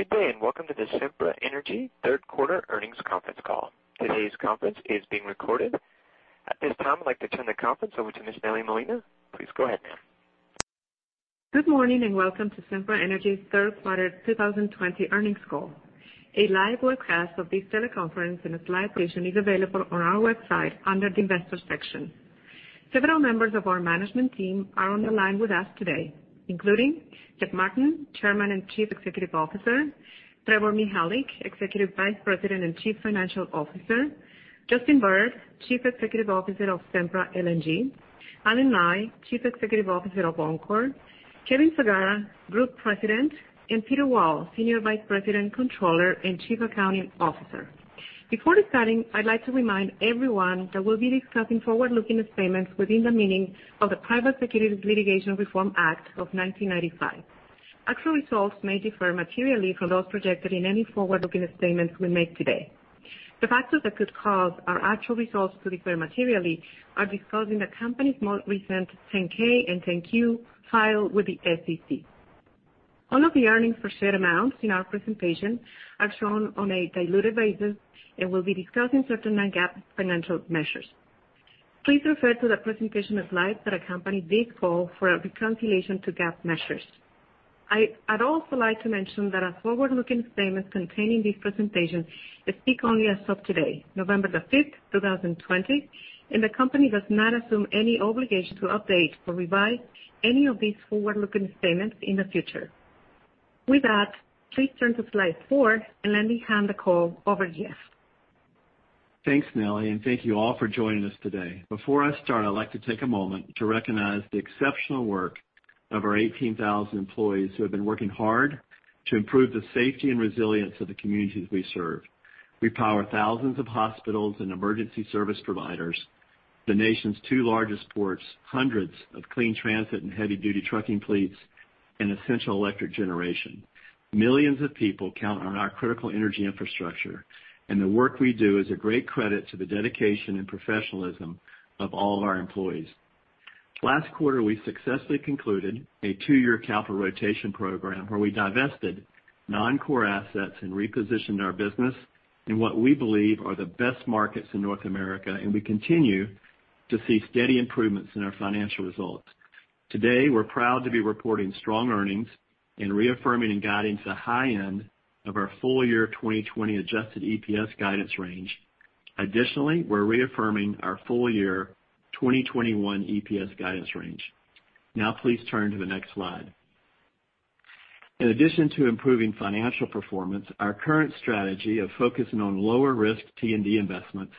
Good day, welcome to the Sempra Energy Third Quarter Earnings Conference call. Today's conference is being recorded. At this time, I'd like to turn the conference over to Ms. Nelly Molina. Please go ahead, ma'am. Good morning, and welcome to Sempra Energy's Third Quarter 2020 Earnings Call. A live webcast of this teleconference and a slide edition is available on our website under the Investor section. Several members of our management team are on the line with us today, including Jeff Martin, Chairman and Chief Executive Officer, Trevor Mihalik, Executive Vice President and Chief Financial Officer, Justin Bird, Chief Executive Officer of Sempra LNG, Allen Nye, Chief Executive Officer of Oncor, Kevin Sagara, Group President, and Peter Wall, Senior Vice President, Controller, and Chief Accounting Officer. Before starting, I'd like to remind everyone that we'll be discussing forward-looking statements within the meaning of the Private Securities Litigation Reform Act of 1995. Actual results may differ materially from those projected in any forward-looking statements we make today. The factors that could cause our actual results to differ materially are discussed in the company's most recent 10-K and 10-Q filed with the SEC. All of the earnings per share amounts in our presentation are shown on a diluted basis and will be discussing certain non-GAAP financial measures. Please refer to the presentation of slides that accompany this call for a reconciliation to GAAP measures. I'd also like to mention that our forward-looking statements contained in this presentation speak only as of today, November 5th, 2020, and the company does not assume any obligation to update or revise any of these forward-looking statements in the future. With that, please turn to slide four, and let me hand the call over to Jeff. Thanks, Nelly. Thank you all for joining us today. Before I start, I'd like to take a moment to recognize the exceptional work of our 18,000 employees who have been working hard to improve the safety and resilience of the communities we serve. We power thousands of hospitals and emergency service providers, the nation's two largest ports, hundreds of clean transit and heavy-duty trucking fleets, and essential electric generation. Millions of people count on our critical energy infrastructure, and the work we do is a great credit to the dedication and professionalism of all of our employees. Last quarter, we successfully concluded a two-year capital rotation program where we divested non-core assets and repositioned our business in what we believe are the best markets in North America, and we continue to see steady improvements in our financial results. Today, we're proud to be reporting strong earnings and reaffirming and guiding to the high end of our full-year 2020 adjusted EPS guidance range. Additionally, we're reaffirming our full-year 2021 EPS guidance range. Now please turn to the next slide. In addition to improving financial performance, our current strategy of focusing on lower-risk T&D investments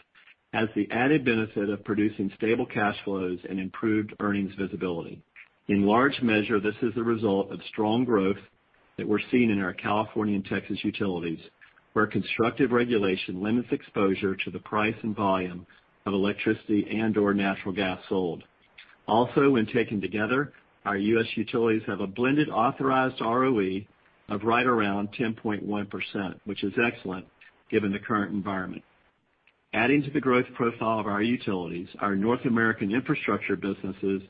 has the added benefit of producing stable cash flows and improved earnings visibility. In large measure, this is a result of strong growth that we're seeing in our California and Texas utilities, where constructive regulation limits exposure to the price and volume of electricity and/or natural gas sold. Also, when taken together, our U.S. utilities have a blended authorized ROE of right around 10.1%, which is excellent given the current environment. Adding to the growth profile of our utilities, our North American infrastructure businesses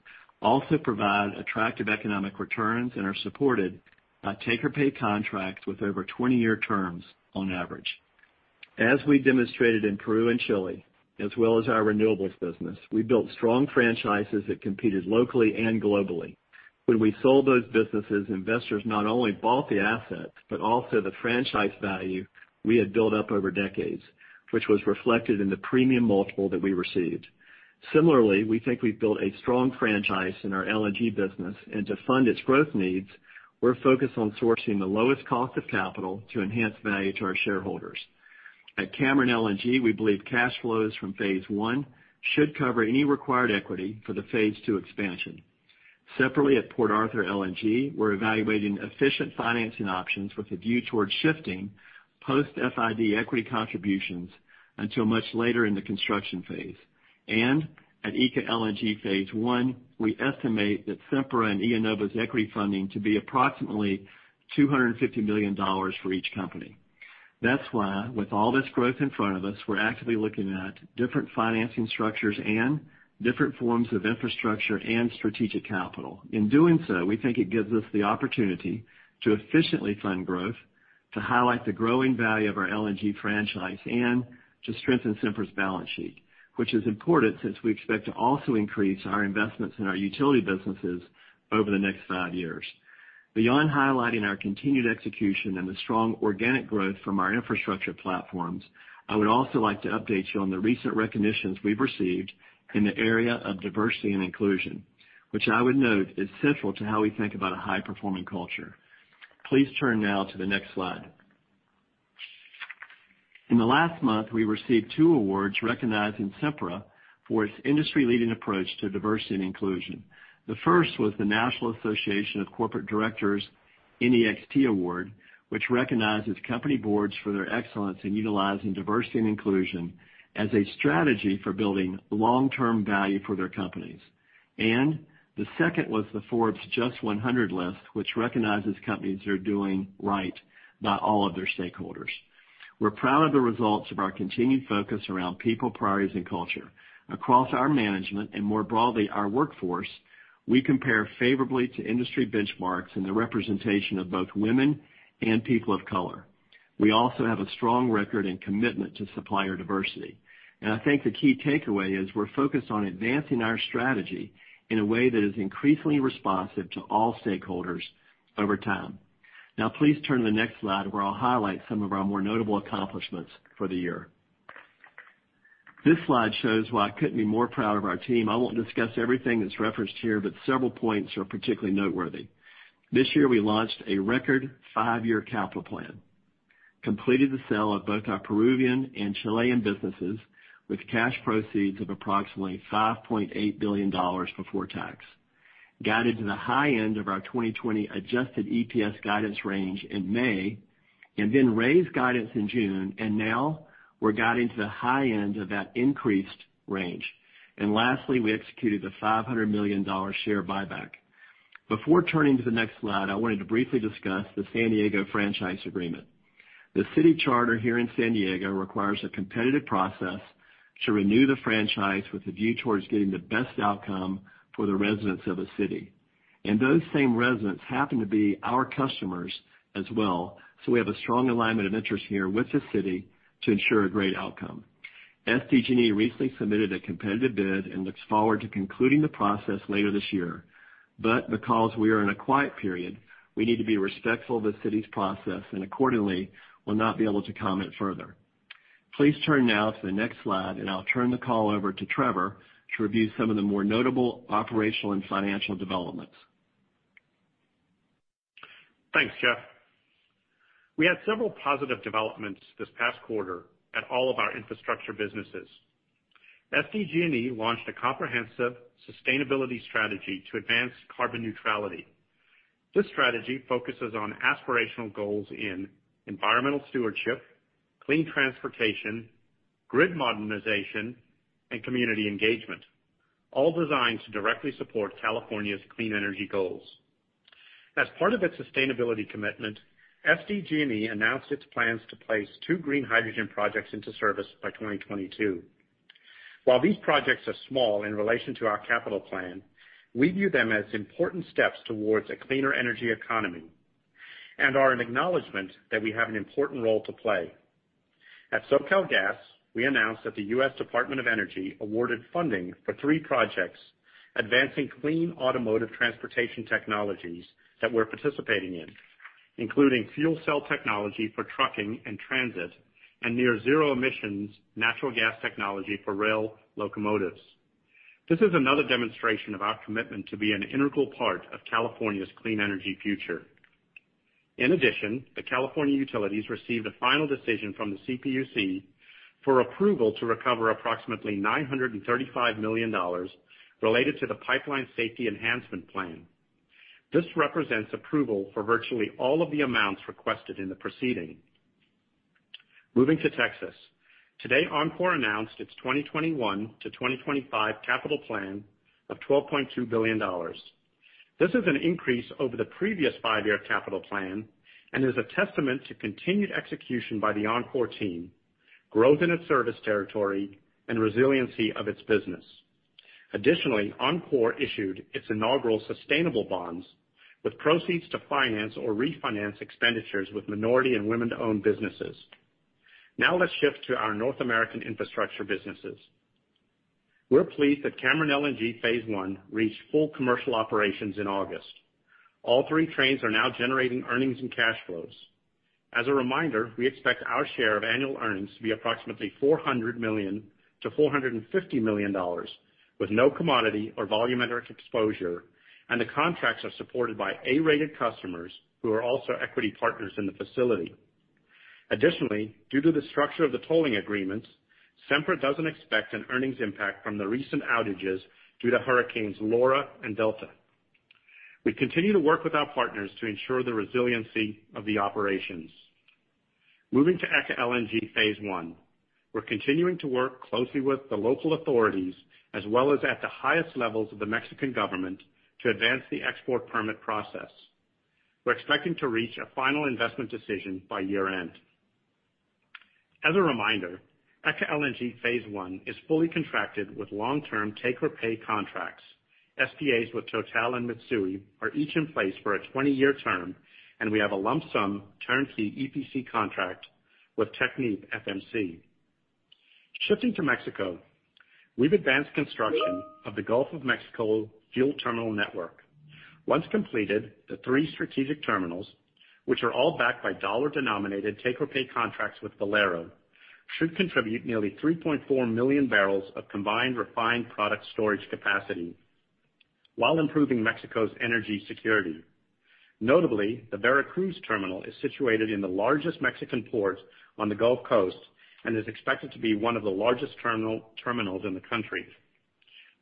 also provide attractive economic returns and are supported by take-or-pay contracts with over 20-year terms on average. As we demonstrated in Peru and Chile, as well as our renewables business, we built strong franchises that competed locally and globally. When we sold those businesses, investors not only bought the assets, but also the franchise value we had built up over decades, which was reflected in the premium multiple that we received. Similarly, we think we've built a strong franchise in our LNG business, and to fund its growth needs, we're focused on sourcing the lowest cost of capital to enhance value to our shareholders. At Cameron LNG, we believe cash flows from phase I should cover any required equity for the phase II expansion. Separately, at Port Arthur LNG, we're evaluating efficient financing options with a view towards shifting post-FID equity contributions until much later in the construction phase. At ECA LNG phase I, we estimate that Sempra and IEnova's equity funding to be approximately $250 million for each company. That's why, with all this growth in front of us, we're actively looking at different financing structures and different forms of infrastructure and strategic capital. In doing so, we think it gives us the opportunity to efficiently fund growth, to highlight the growing value of our LNG franchise, and to strengthen Sempra's balance sheet, which is important since we expect to also increase our investments in our utility businesses over the next five years. Beyond highlighting our continued execution and the strong organic growth from our infrastructure platforms, I would also like to update you on the recent recognitions we've received in the area of diversity and inclusion, which I would note is central to how we think about a high-performing culture. Please turn now to the next slide. In the last month, we received two awards recognizing Sempra for its industry-leading approach to diversity and inclusion. The first was the National Association of Corporate Directors' NXT Award, which recognizes company boards for their excellence in utilizing diversity and inclusion as a strategy for building long-term value for their companies. The second was the Forbes JUST 100 list, which recognizes companies that are doing right by all of their stakeholders. We're proud of the results of our continued focus around people, priorities, and culture. Across our management and, more broadly, our workforce, we compare favorably to industry benchmarks in the representation of both women and people of color. We also have a strong record and commitment to supplier diversity. I think the key takeaway is we're focused on advancing our strategy in a way that is increasingly responsive to all stakeholders over time. Now please turn to the next slide, where I'll highlight some of our more notable accomplishments for the year. This slide shows why I couldn't be more proud of our team. I won't discuss everything that's referenced here, several points are particularly noteworthy. This year, we launched a record five-year capital plan, completed the sale of both our Peruvian and Chilean businesses with cash proceeds of approximately $5.8 billion before tax, guided to the high end of our 2020 adjusted EPS guidance range in May, and then raised guidance in June, and now we're guiding to the high end of that increased range. Lastly, we executed the $500 million share buyback. Before turning to the next slide, I wanted to briefly discuss the San Diego franchise agreement. The city charter here in San Diego requires a competitive process to renew the franchise with a view towards getting the best outcome for the residents of the city. Those same residents happen to be our customers as well, so we have a strong alignment of interest here with the city to ensure a great outcome. SDG&E recently submitted a competitive bid and looks forward to concluding the process later this year. Because we are in a quiet period, we need to be respectful of the city's process, and accordingly, will not be able to comment further. Please turn now to the next slide, and I'll turn the call over to Trevor to review some of the more notable operational and financial developments. Thanks, Jeff. We had several positive developments this past quarter at all of our infrastructure businesses. SDG&E launched a comprehensive sustainability strategy to advance carbon neutrality. This strategy focuses on aspirational goals in environmental stewardship, clean transportation, grid modernization, and community engagement, all designed to directly support California's clean energy goals. As part of its sustainability commitment, SDG&E announced its plans to place two green hydrogen projects into service by 2022. While these projects are small in relation to our capital plan, we view them as important steps towards a cleaner energy economy and are an acknowledgement that we have an important role to play. At SoCalGas, we announced that the U.S. Department of Energy awarded funding for three projects advancing clean automotive transportation technologies that we're participating in, including fuel cell technology for trucking and transit, and near zero emissions natural gas technology for rail locomotives. This is another demonstration of our commitment to be an integral part of California's clean energy future. In addition, the California utilities received a final decision from the CPUC for approval to recover approximately $935 million related to the Pipeline Safety Enhancement Plan. This represents approval for virtually all of the amounts requested in the proceeding. Moving to Texas. Today, Oncor announced its 2021 to 2025 capital plan of $12.2 billion. This is an increase over the previous five-year capital plan and is a testament to continued execution by the Oncor team, growth in its service territory, and resiliency of its business. Additionally, Oncor issued its inaugural sustainable bonds with proceeds to finance or refinance expenditures with minority and women-owned businesses. Now let's shift to our North American infrastructure businesses. We're pleased that Cameron LNG phase I reached full commercial operations in August. All three trains are now generating earnings and cash flows. As a reminder, we expect our share of annual earnings to be approximately $400 million-$450 million, with no commodity or volume at-risk exposure, and the contracts are supported by A-rated customers who are also equity partners in the facility. Additionally, due to the structure of the tolling agreements, Sempra doesn't expect an earnings impact from the recent outages due to hurricanes Laura and Delta. We continue to work with our partners to ensure the resiliency of the operations. Moving to ECA LNG phase I. We're continuing to work closely with the local authorities as well as at the highest levels of the Mexican government to advance the export permit process. We're expecting to reach a final investment decision by year-end. As a reminder, ECA LNG phase I is fully contracted with long-term take-or-pay contracts. SPAs with Total and Mitsui are each in place for a 20-year term, and we have a lump sum turnkey EPC contract with TechnipFMC. Shifting to Mexico. We've advanced construction of the Gulf of Mexico fuel terminal network. Once completed, the three strategic terminals, which are all backed by dollar-denominated take-or-pay contracts with Valero, should contribute nearly 3.4 million bbl of combined refined product storage capacity while improving Mexico's energy security. Notably, the Veracruz terminal is situated in the largest Mexican port on the Gulf Coast and is expected to be one of the largest terminals in the country.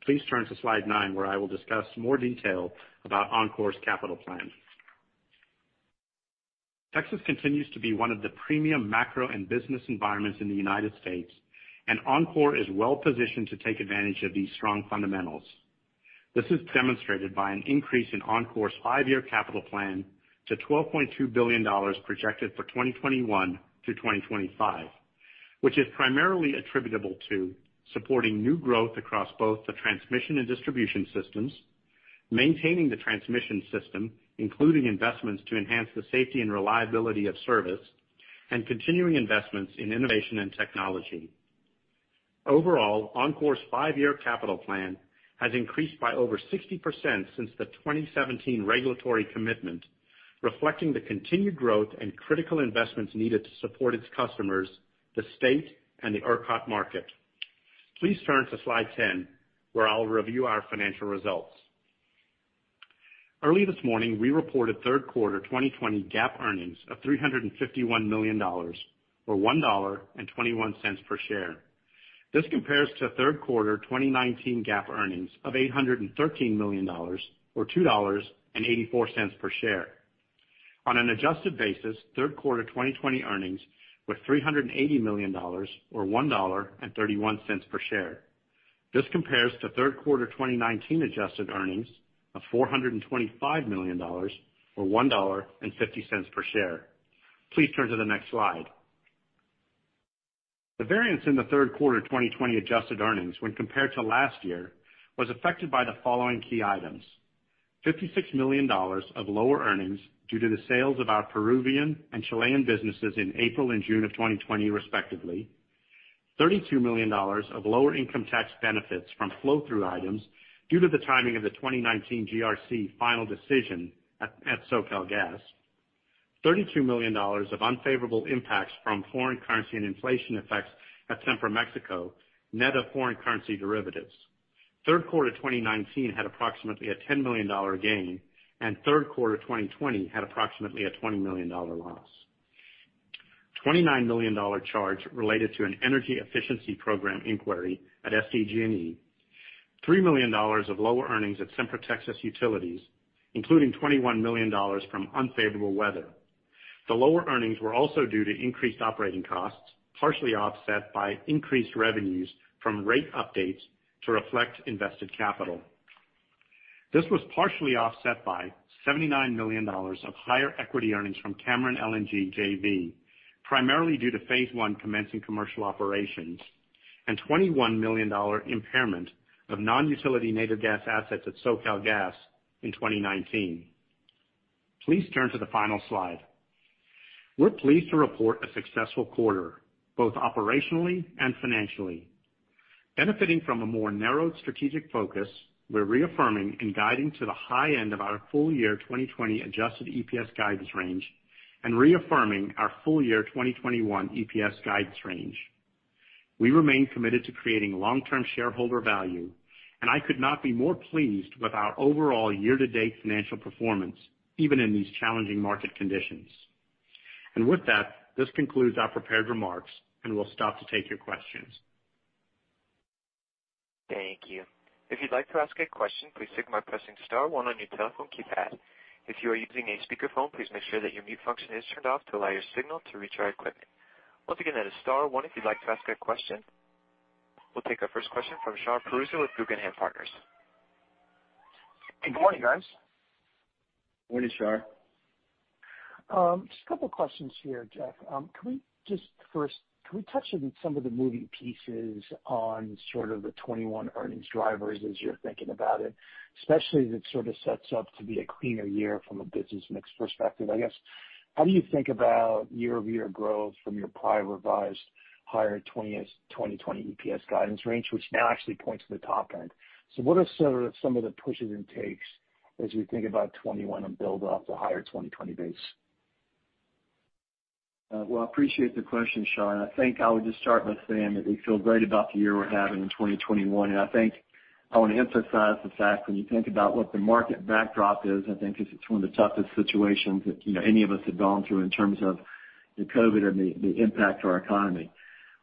Please turn to slide nine, where I will discuss more detail about Oncor's capital plan. Texas continues to be one of the premium macro and business environments in the U.S., and Oncor is well-positioned to take advantage of these strong fundamentals. This is demonstrated by an increase in Oncor's five-year capital plan to $12.2 billion projected for 2021 through 2025, which is primarily attributable to supporting new growth across both the transmission and distribution systems, maintaining the transmission system, including investments to enhance the safety and reliability of service, and continuing investments in innovation and technology. Overall, Oncor's five-year capital plan has increased by over 60% since the 2017 regulatory commitment, reflecting the continued growth and critical investments needed to support its customers, the state, and the ERCOT market. Please turn to slide 10, where I'll review our financial results. Early this morning, we reported third quarter 2020 GAAP earnings of $351 million, or $1.21 per share. This compares to third quarter 2019 GAAP earnings of $813 million, or $2.84 per share. On an adjusted basis, third quarter 2020 earnings were $380 million, or $1.31 per share. This compares to third quarter 2019 adjusted earnings of $425 million, or $1.50 per share. Please turn to the next slide. The variance in the third quarter 2020 adjusted earnings when compared to last year was affected by the following key items: $56 million of lower earnings due to the sales of our Peruvian and Chilean businesses in April and June of 2020, respectively, $32 million of lower income tax benefits from flow-through items due to the timing of the 2019 GRC final decision at SoCalGas, $32 million of unfavorable impacts from foreign currency and inflation effects at Sempra Mexico, net of foreign currency derivatives. Third quarter 2019 had approximately a $10 million gain, and third quarter 2020 had approximately a $20 million loss. $29 million charge related to an energy efficiency program inquiry at SDG&E, $3 million of lower earnings at Sempra Texas Utilities, including $21 million from unfavorable weather. The lower earnings were also due to increased operating costs, partially offset by increased revenues from rate updates to reflect invested capital. This was partially offset by $79 million of higher equity earnings from Cameron LNG JV, primarily due to phase I commencing commercial operations, and $21 million impairment of non-utility native gas assets at SoCalGas in 2019. Please turn to the final slide. We're pleased to report a successful quarter, both operationally and financially. Benefiting from a more narrowed strategic focus, we're reaffirming and guiding to the high end of our full year 2020 adjusted EPS guidance range and reaffirming our full year 2021 EPS guidance range. We remain committed to creating long-term shareholder value, and I could not be more pleased with our overall year-to-date financial performance, even in these challenging market conditions. With that, this concludes our prepared remarks, and we'll stop to take your questions. Thank you. If you'd like to ask a question, please signal by pressing star one on your telephone keypad. If you are using a speakerphone, please make sure that your mute function is turned off to allow your signal to reach our equipment. Once again, that is star one if you'd like to ask a question. We'll take our first question from Shar Pourreza with Guggenheim Partners. Good morning, guys. Morning, Shar. Just a couple of questions here, Jeff. First, can we touch on some of the moving pieces on sort of the 2021 earnings drivers as you're thinking about it, especially as it sort of sets up to be a cleaner year from a business mix perspective? I guess, how do you think about year-over-year growth from your prior revised higher 2020 EPS guidance range, which now actually points to the top end? What are some of the pushes and takes as we think about 2021 and build off the higher 2020 base? Well, I appreciate the question, Shar, I think I would just start by saying that we feel great about the year we're having in 2021. I think I want to emphasize the fact when you think about what the market backdrop is, I think this is one of the toughest situations that any of us have gone through in terms of the COVID and the impact to our economy.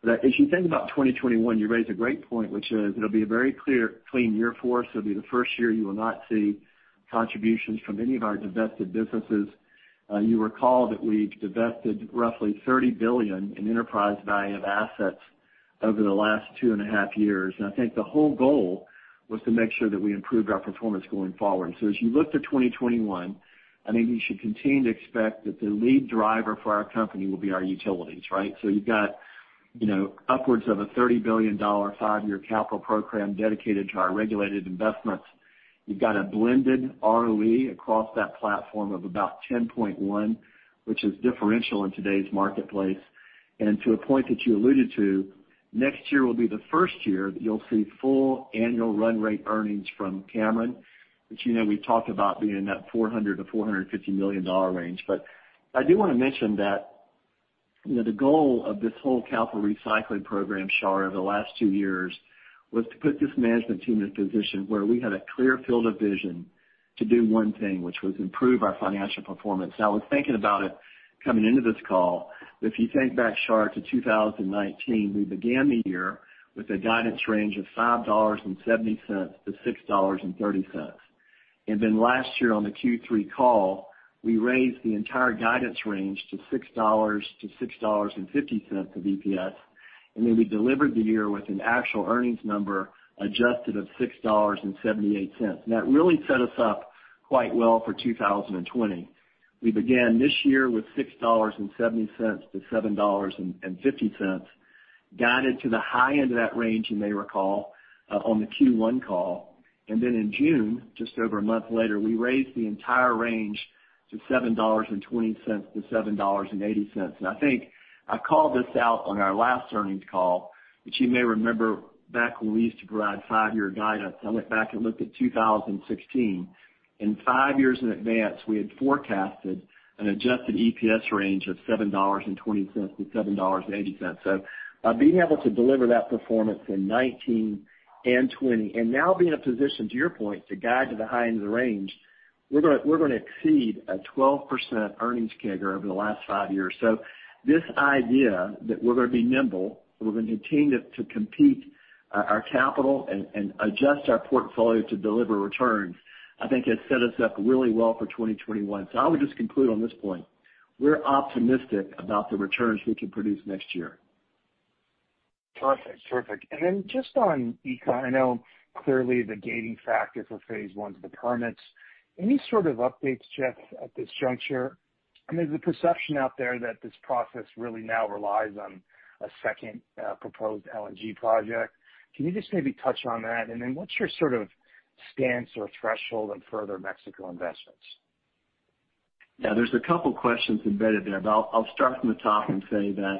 As you think about 2021, you raise a great point, which is it'll be a very clear, clean year for us. It'll be the first year you will not see contributions from any of our divested businesses. You recall that we divested roughly $30 billion in enterprise value of assets over the last two and a half years, I think the whole goal was to make sure that we improved our performance going forward. As you look to 2021, I think you should continue to expect that the lead driver for our company will be our utilities, right? You've got upwards of a $30 billion five-year capital program dedicated to our regulated investments. You've got a blended ROE across that platform of about 10.1%, which is differential in today's marketplace. To a point that you alluded to, next year will be the first year that you'll see full annual run rate earnings from Cameron, which we've talked about being in that $400 million-$450 million range. I do want to mention that the goal of this whole capital recycling program, Shar, over the last two years, was to put this management team in a position where we had a clear field of vision to do one thing, which was improve our financial performance. Now, I was thinking about it coming into this call, if you think back, Shar, to 2019, we began the year with a guidance range of $5.70-$6.30. Last year on the Q3 call, we raised the entire guidance range to $6-$6.50 of EPS, we delivered the year with an actual earnings number adjusted of $6.78. That really set us up quite well for 2020. We began this year with $6.70-$7.50, guided to the high end of that range, you may recall, on the Q1 call. In June, just over a month later, we raised the entire range to $7.20-$7.80. I think I called this out on our last earnings call, but you may remember back when we used to provide five-year guidance. I went back and looked at 2016. In five years in advance, we had forecasted an adjusted EPS range of $7.20-$7.80. Being able to deliver that performance in 2019 and 2020, and now being in a position, to your point, to guide to the high end of the range, we're going to exceed a 12% earnings CAGR over the last five years. This idea that we're going to be nimble, we're going to continue to compete our capital and adjust our portfolio to deliver returns, I think has set us up really well for 2021. I would just conclude on this point, we're optimistic about the returns we can produce next year. Terrific. Just on ECA, I know clearly the gating factor for phase I is the permits. Any sort of updates, Jeff, at this juncture? I mean, there's a perception out there that this process really now relies on a second proposed LNG project. Can you just maybe touch on that? What's your sort of stance or threshold on further Mexico investments? Yeah, there's a couple questions embedded there, but I'll start from the top and say that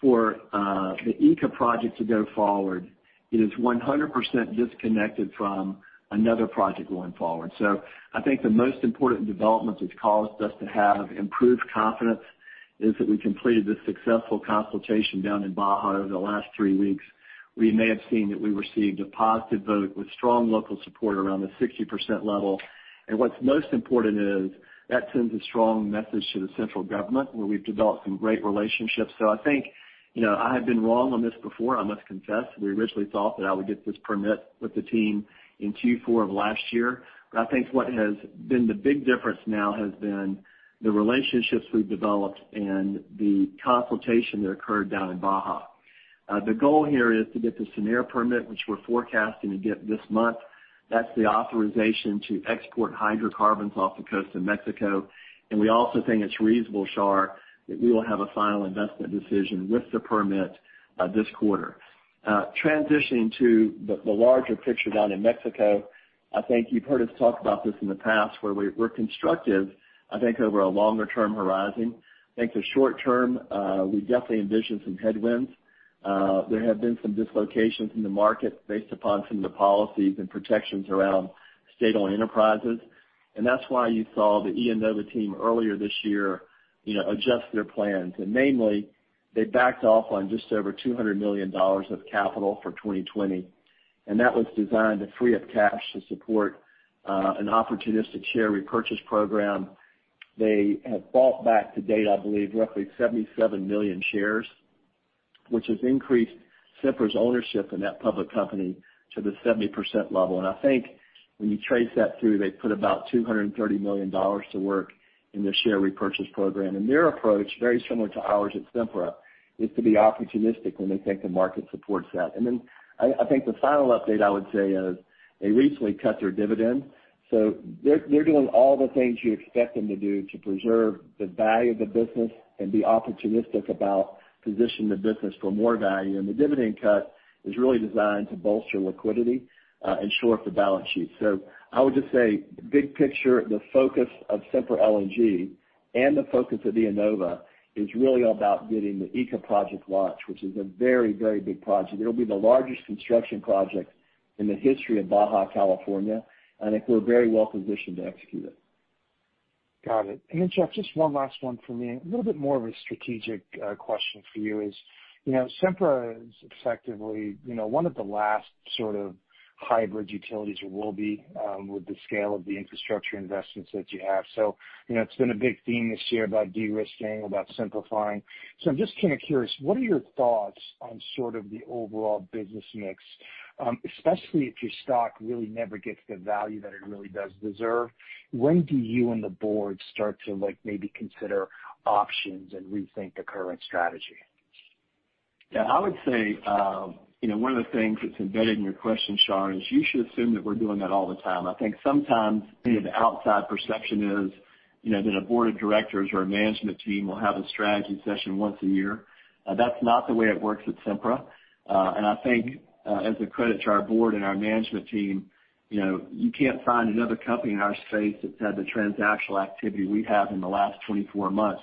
for the ECA project to go forward, it is 100% disconnected from another project going forward. I think the most important development that's caused us to have improved confidence is that we completed the successful consultation down in Baja over the last three weeks. We may have seen that we received a positive vote with strong local support around the 60% level. What's most important is this sends a strong message to the central government, where we've developed some great relationships. I think I have been wrong on this before, I must confess. We originally thought that I would get this permit with the team in Q4 of last year. I think what has been the big difference now has been the relationships we've developed and the consultation that occurred down in Baja. The goal here is to get the SENER permit, which we're forecasting to get this month. That's the authorization to export hydrocarbons off the coast of Mexico. We also think it's reasonable, Shar, that we will have a final investment decision with the permit this quarter. Transitioning to the larger picture down in Mexico, I think you've heard us talk about this in the past, where we're constructive, I think, over a longer-term horizon. I think the short term, we definitely envision some headwinds. There have been some dislocations in the market based upon some of the policies and protections around state-owned enterprises. That's why you saw the IEnova team earlier this year adjust their plans. Mainly, they backed off on just over $200 million of capital for 2020. That was designed to free up cash to support an opportunistic share repurchase program. They have bought back to date, I believe, roughly 77 million shares, which has increased Sempra's ownership in that public company to the 70% level. I think when you trace that through, they put about $230 million to work in their share repurchase program. Their approach, very similar to ours at Sempra, is to be opportunistic when they think the market supports that. I think the final update I would say is they recently cut their dividend. They're doing all the things you expect them to do to preserve the value of the business and be opportunistic about positioning the business for more value. The dividend cut is really designed to bolster liquidity and shore up the balance sheet. I would just say, big picture, the focus of Sempra LNG and the focus of IEnova is really about getting the ECA project launched, which is a very, very big project. It'll be the largest construction project in the history of Baja California. I think we're very well positioned to execute it. Got it. Jeff, just one last one for me. A little bit more of a strategic question for you is, Sempra is effectively one of the last sort of hybrid utilities or will be with the scale of the infrastructure investments that you have. It's been a big theme this year about de-risking, about simplifying. I'm just kind of curious, what are your thoughts on sort of the overall business mix? Especially if your stock really never gets the value that it really does deserve, when do you and the board start to maybe consider options and rethink the current strategy? Yeah, I would say, one of the things that's embedded in your question, Shar, is you should assume that we're doing that all the time. I think sometimes the outside perception is that a board of directors or a management team will have a strategy session once a year. That's not the way it works at Sempra. I think as a credit to our board and our management team, you can't find another company in our space that's had the transactional activity we've had in the last 24 months.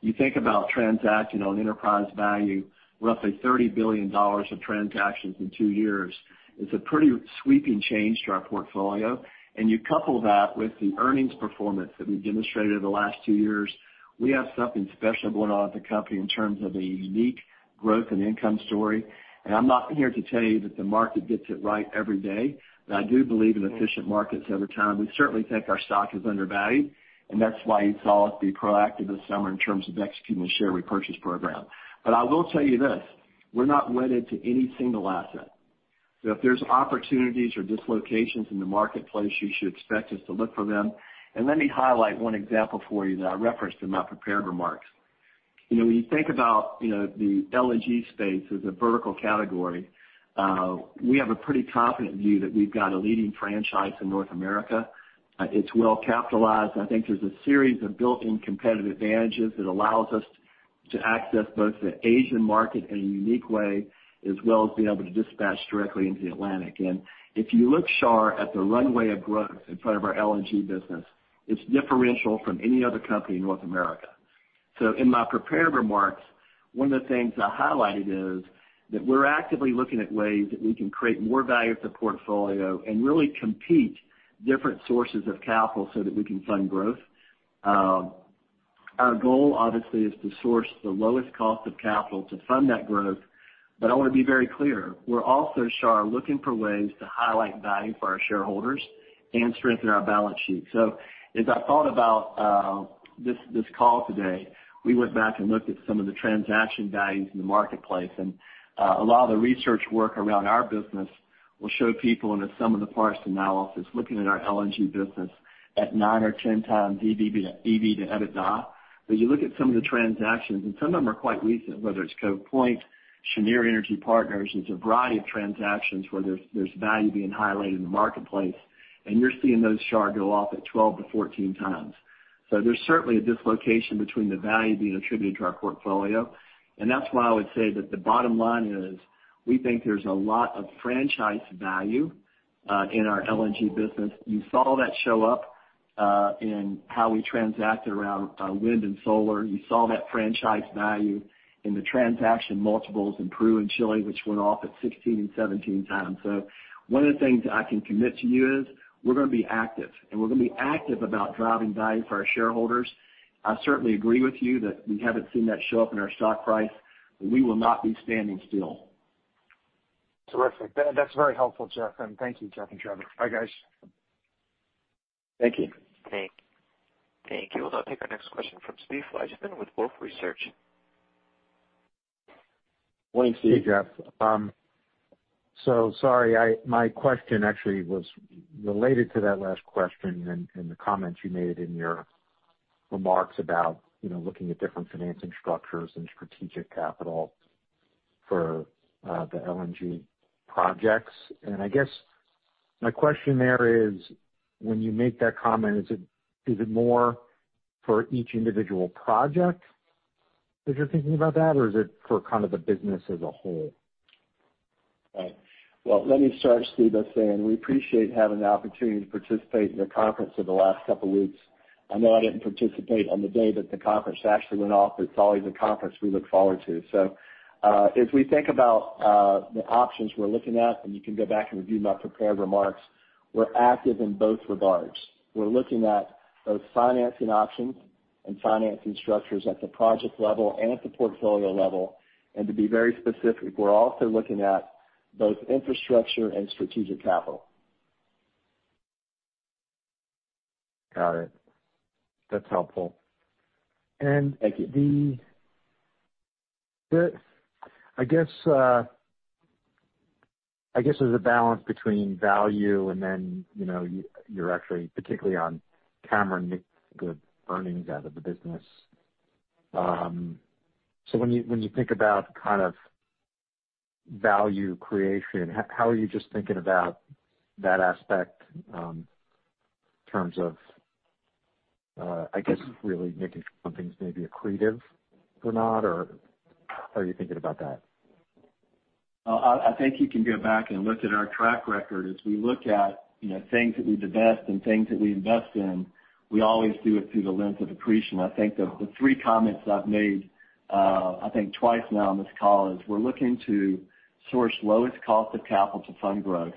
You think about transaction on enterprise value, roughly $30 billion of transactions in two years. It's a pretty sweeping change to our portfolio. You couple that with the earnings performance that we've demonstrated over the last two years. We have something special going on at the company in terms of a unique growth and income story. I'm not here to tell you that the market gets it right every day, but I do believe in efficient markets over time. We certainly think our stock is undervalued, and that's why you saw us be proactive this summer in terms of executing the share repurchase program. I will tell you this. We're not wedded to any single asset. If there's opportunities or dislocations in the marketplace, you should expect us to look for them. Let me highlight one example for you that I referenced in my prepared remarks. When you think about the LNG space as a vertical category, we have a pretty confident view that we've got a leading franchise in North America. It's well-capitalized. I think there's a series of built-in competitive advantages that allows us to access both the Asian market in a unique way, as well as being able to dispatch directly into Atlantic. If you look Shar at the runway of growth in front of our LNG business, it's differential from any other company in North America. In my prepared remarks, one of the things I highlighted is that we're actively looking at ways that we can create more value for the portfolio and really compete different sources of capital so that we can fund growth. Our goal, obviously, is to source the lowest cost of capital to fund that growth. I want to be very clear, we're also, Shar, looking for ways to highlight value for our shareholders and strengthen our balance sheet. As I thought about this call today, we went back and looked at some of the transaction values in the marketplace. A lot of the research work around our business will show people in the sum of the parts analysis, looking at our LNG business at 9x or 10x EBITDA. You look at some of the transactions, and some of them are quite recent, whether it's Cove Point, Cheniere Energy Partners. There's a variety of transactions where there's value being highlighted in the marketplace, and you're seeing those, Shar, go off at 12x-14x. There's certainly a dislocation between the value being attributed to our portfolio, and that's why I would say that the bottom line is we think there's a lot of franchise value in our LNG business. You saw that show up in how we transacted around wind and solar. You saw that franchise value in the transaction multiples in Peru and Chile, which went off at 16x and 17x. One of the things I can commit to you is we're going to be active, and we're going to be active about driving value for our shareholders. I certainly agree with you that we haven't seen that show up in our stock price. We will not be standing still. Terrific. That's very helpful, Jeff, and thank you, Jeff and Trevor. Bye, guys. Thank you. Thank you. We'll now take our next question from Steve Fleishman with Wolfe Research. Morning, Steve. Hey, Jeff. Sorry, my question actually was related to that last question and the comments you made in your remarks about looking at different financing structures and strategic capital for the LNG projects. I guess my question there is, when you make that comment, is it more for each individual project as you're thinking about that, or is it for kind of the business as a whole? Right. Well, let me start, Steve, by saying we appreciate having the opportunity to participate in the conference over the last couple of weeks. I know I didn't participate on the day that the conference actually went off. It's always a conference we look forward to. As we think about the options we're looking at, and you can go back and review my prepared remarks, we're active in both regards. We're looking at both financing options and financing structures at the project level and at the portfolio level. To be very specific, we're also looking at both infrastructure and strategic capital. Got it. That's helpful. Thank you. I guess there's a balance between value and then you're actually, particularly on Cameron, make good earnings out of the business. When you think about kind of value creation, how are you just thinking about that aspect in terms of, I guess, really making sure something's maybe accretive or not, or how are you thinking about that? I think you can go back and look at our track record. As we look at things that we divest and things that we invest in, we always do it through the lens of accretion. I think the three comments that I've made, I think twice now on this call, is we're looking to source lowest cost of capital to fund growth.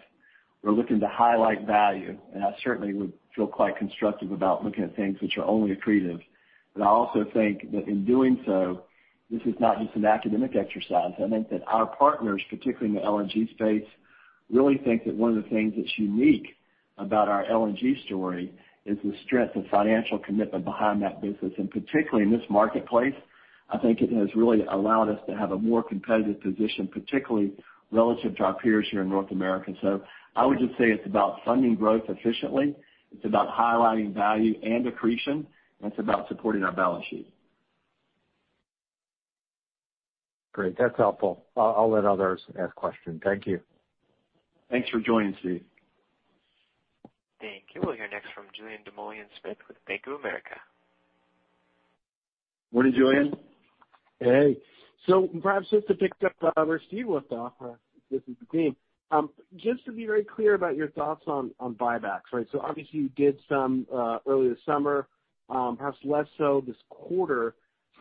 We're looking to highlight value, and I certainly would feel quite constructive about looking at things which are only accretive. I also think that in doing so, this is not just an academic exercise. I think that our partners, particularly in the LNG space, really think that one of the things that's unique about our LNG story is the strength of financial commitment behind that business. Particularly in this marketplace, I think it has really allowed us to have a more competitive position, particularly relative to our peers here in North America. I would just say it's about funding growth efficiently. It's about highlighting value and accretion, and it's about supporting our balance sheet. Great. That's helpful. I'll let others ask questions. Thank you. Thanks for joining, Steve. Thank you. We'll hear next from Julien Dumoulin-Smith with Bank of America. Morning, Julien. Hey. Perhaps just to pick up where Steve left off, this is the theme. Just to be very clear about your thoughts on buybacks, right? Obviously you did some earlier this summer perhaps less so this quarter.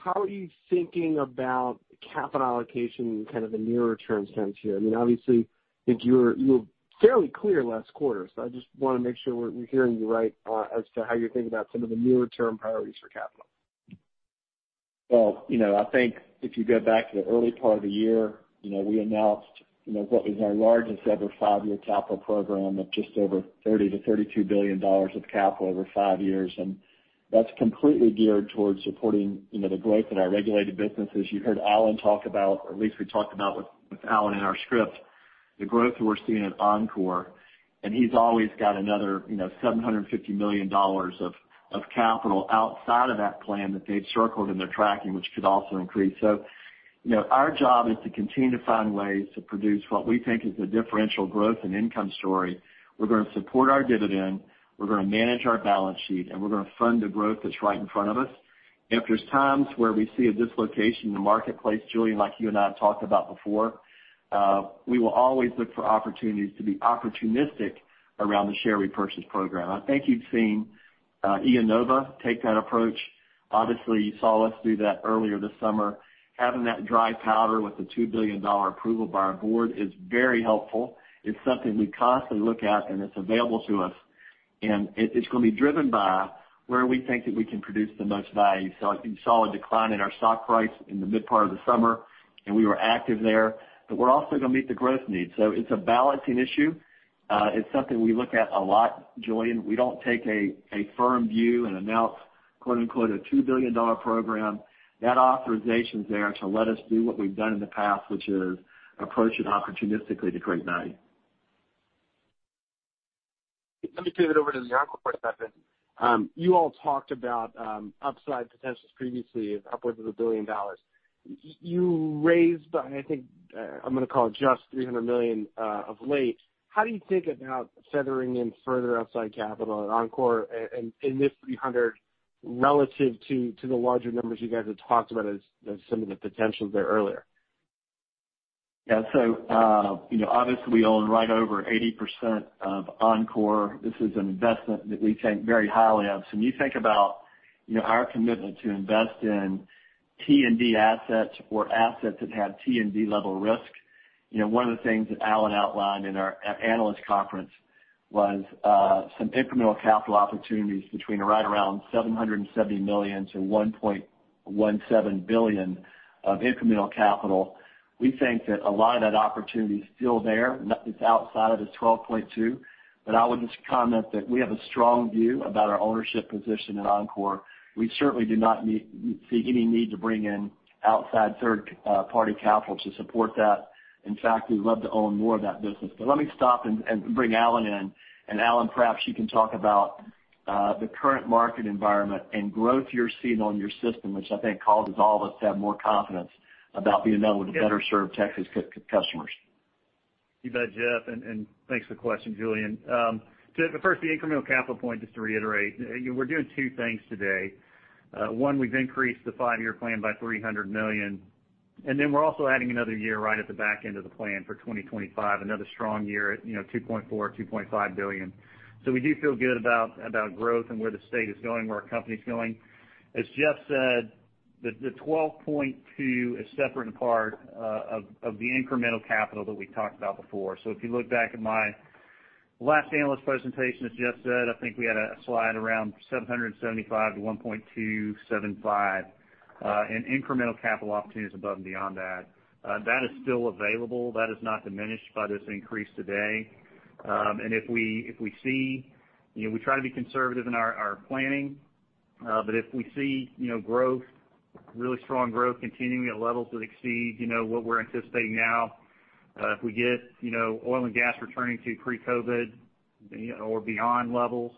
How are you thinking about capital allocation kind of in the nearer-term sense here? I mean, obviously, I think you were fairly clear last quarter. I just want to make sure we're hearing you right as to how you're thinking about some of the nearer-term priorities for capital. Well, I think if you go back to the early part of the year, we announced what was our largest ever five-year capital program of just over $30 billion-$32 billion of capital over five years. That's completely geared towards supporting the growth in our regulated businesses. You heard Allen talk about, or at least we talked about with Allen in our script. The growth we're seeing at Oncor, he's always got another $750 million of capital outside of that plan that they've circled and they're tracking, which could also increase. Our job is to continue to find ways to produce what we think is a differential growth and income story. We're going to support our dividend, we're going to manage our balance sheet, and we're going to fund the growth that's right in front of us. If there's times where we see a dislocation in the marketplace, Julien, like you and I have talked about before, we will always look for opportunities to be opportunistic around the share repurchase program. I think you've seen IEnova take that approach. Obviously, you saw us do that earlier this summer. Having that dry powder with the $2 billion approval by our board is very helpful. It's something we constantly look at, and it's available to us, and it's going to be driven by where we think that we can produce the most value. I think you saw a decline in our stock price in the mid part of the summer, and we were active there. We're also going to meet the growth needs. It's a balancing issue. It's something we look at a lot, Julien. We don't take a firm view and announce "a $2 billion program." That authorization's there to let us do what we've done in the past, which is approach it opportunistically to create value. Let me pivot over to the Oncor segment. You all talked about upside potentials previously of upwards of $1 billion. You raised, I think, I'm going to call it just $300 million of late. How do you think about feathering in further upside capital at Oncor and in this $300 relative to the larger numbers you guys had talked about as some of the potentials there earlier? Yeah. Obviously, we own right over 80% of Oncor. This is an investment that we think very highly of. When you think about our commitment to invest in T&D assets or assets that have T&D-level risk, one of the things that Allen Nye outlined in our analyst conference was some incremental capital opportunities between right around $770 million-$1.17 billion of incremental capital. We think that a lot of that opportunity's still there. Nothing's outside of the $12.2. I would just comment that we have a strong view about our ownership position at Oncor. We certainly do not see any need to bring in outside third-party capital to support that. In fact, we'd love to own more of that business. Let me stop and bring Allen in, and Allen, perhaps you can talk about the current market environment and growth you're seeing on your system, which I think causes all of us to have more confidence about being able to better serve Texas customers. You bet, Jeff, and thanks for the question, Julien. First, the incremental capital point, just to reiterate, we're doing two things today. One, we've increased the five-year plan by $300 million, and then we're also adding another year right at the back end of the plan for 2025, another strong year at $2.4 billion-$2.5 billion. We do feel good about growth and where the state is going, where our company's going. As Jeff said, the $12.2 is separate and apart of the incremental capital that we talked about before. If you look back at my last analyst presentation, as Jeff said, I think we had a slide around $775 million-$1.275 billion in incremental capital opportunities above and beyond that. That is still available. That is not diminished by this increase today. We try to be conservative in our planning, but if we see growth, really strong growth continuing at levels that exceed what we're anticipating now, if we get oil and gas returning to pre-COVID or beyond levels,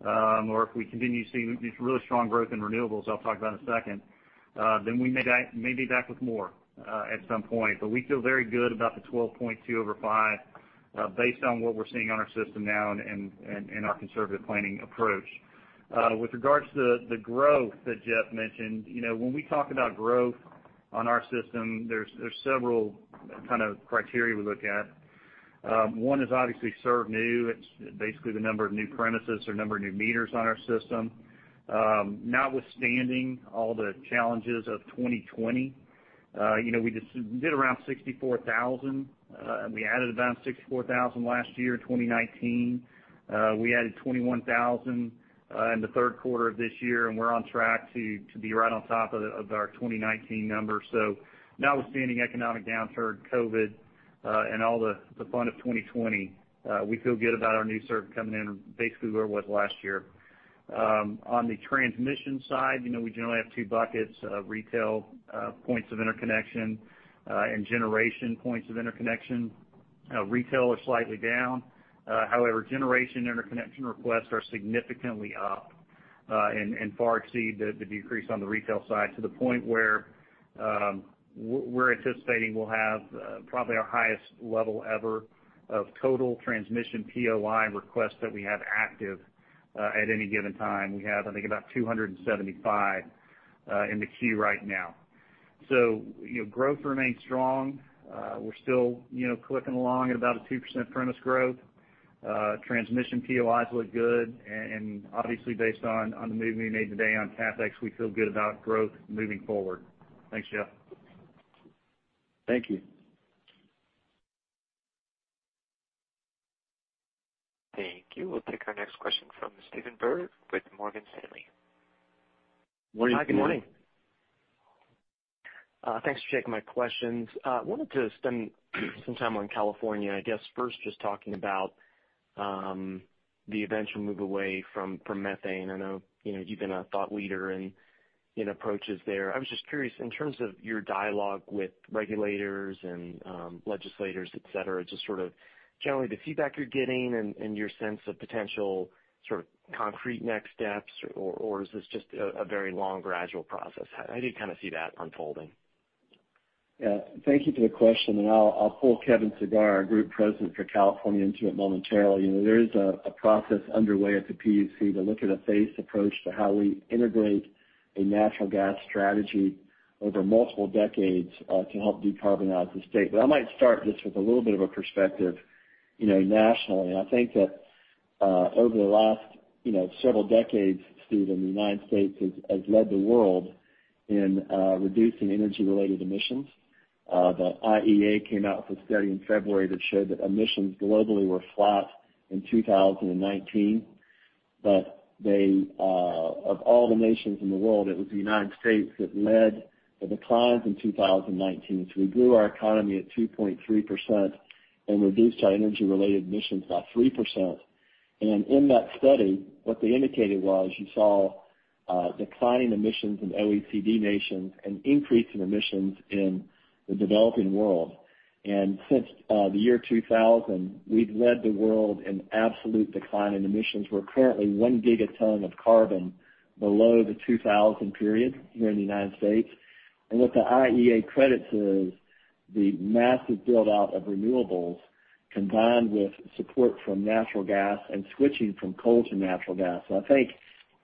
or if we continue to see this really strong growth in renewables I'll talk about in a second, then we may be back with more at some point. We feel very good about the $12.2 over five based on what we're seeing on our system now and our conservative planning approach. With regards to the growth that Jeff mentioned, when we talk about growth on our system, there's several kind of criteria we look at. One is obviously serve new. It's basically the number of new premises or number of new meters on our system. Notwithstanding all the challenges of 2020, we did around 64,000. We added about 64,000 last year, 2019. We added 21,000 in the third quarter of this year, and we're on track to be right on top of our 2019 numbers. Notwithstanding economic downturn, COVID, and all the fun of 2020, we feel good about our new serve coming in basically where it was last year. On the transmission side, we generally have two buckets of retail points of interconnection and generation points of interconnection. Retail is slightly down. However, generation interconnection requests are significantly up and far exceed the decrease on the retail side to the point where we're anticipating we'll have probably our highest level ever of total transmission POI requests that we have active at any given time. We have, I think about 275 in the queue right now. Growth remains strong. We're still clicking along at about a 2% premise growth. Transmission POIs look good, and obviously based on the move we made today on CapEx, we feel good about growth moving forward. Thanks, Jeff. Thank you. Thank you. We'll take our next question from Stephen Byrd with Morgan Stanley. Morning, Stephen. Hi, good morning. Thanks for taking my questions. I wanted to spend some time on California. I guess first, just talking about the eventual move away from methane. I know you've been a thought leader in approaches there. I was just curious, in terms of your dialogue with regulators and legislators, et cetera, just sort of generally the feedback you're getting and your sense of potential sort of concrete next steps, or is this just a very long gradual process? How do you kind of see that unfolding? Thank you for the question, and I'll pull Kevin Sagara, our Group President for California, into it momentarily. There is a process underway at the PUC to look at a phased approach to how we integrate a natural gas strategy over multiple decades to help decarbonize the state. I might start just with a little bit of a perspective nationally. I think that over the last several decades, Stephen, the U.S. has led the world in reducing energy-related emissions. The IEA came out with a study in February that showed that emissions globally were flat in 2019. Of all the nations in the world, it was the U.S. that led the declines in 2019, as we grew our economy at 2.3% and reduced our energy-related emissions by 3%. In that study, what they indicated was you saw declining emissions in OECD nations, an increase in emissions in the developing world. Since the year 2000, we've led the world in absolute decline in emissions. We're currently one gigaton of carbon below the 2000 period here in the U.S. What the IEA credits is the massive build-out of renewables, combined with support from natural gas and switching from coal to natural gas. I think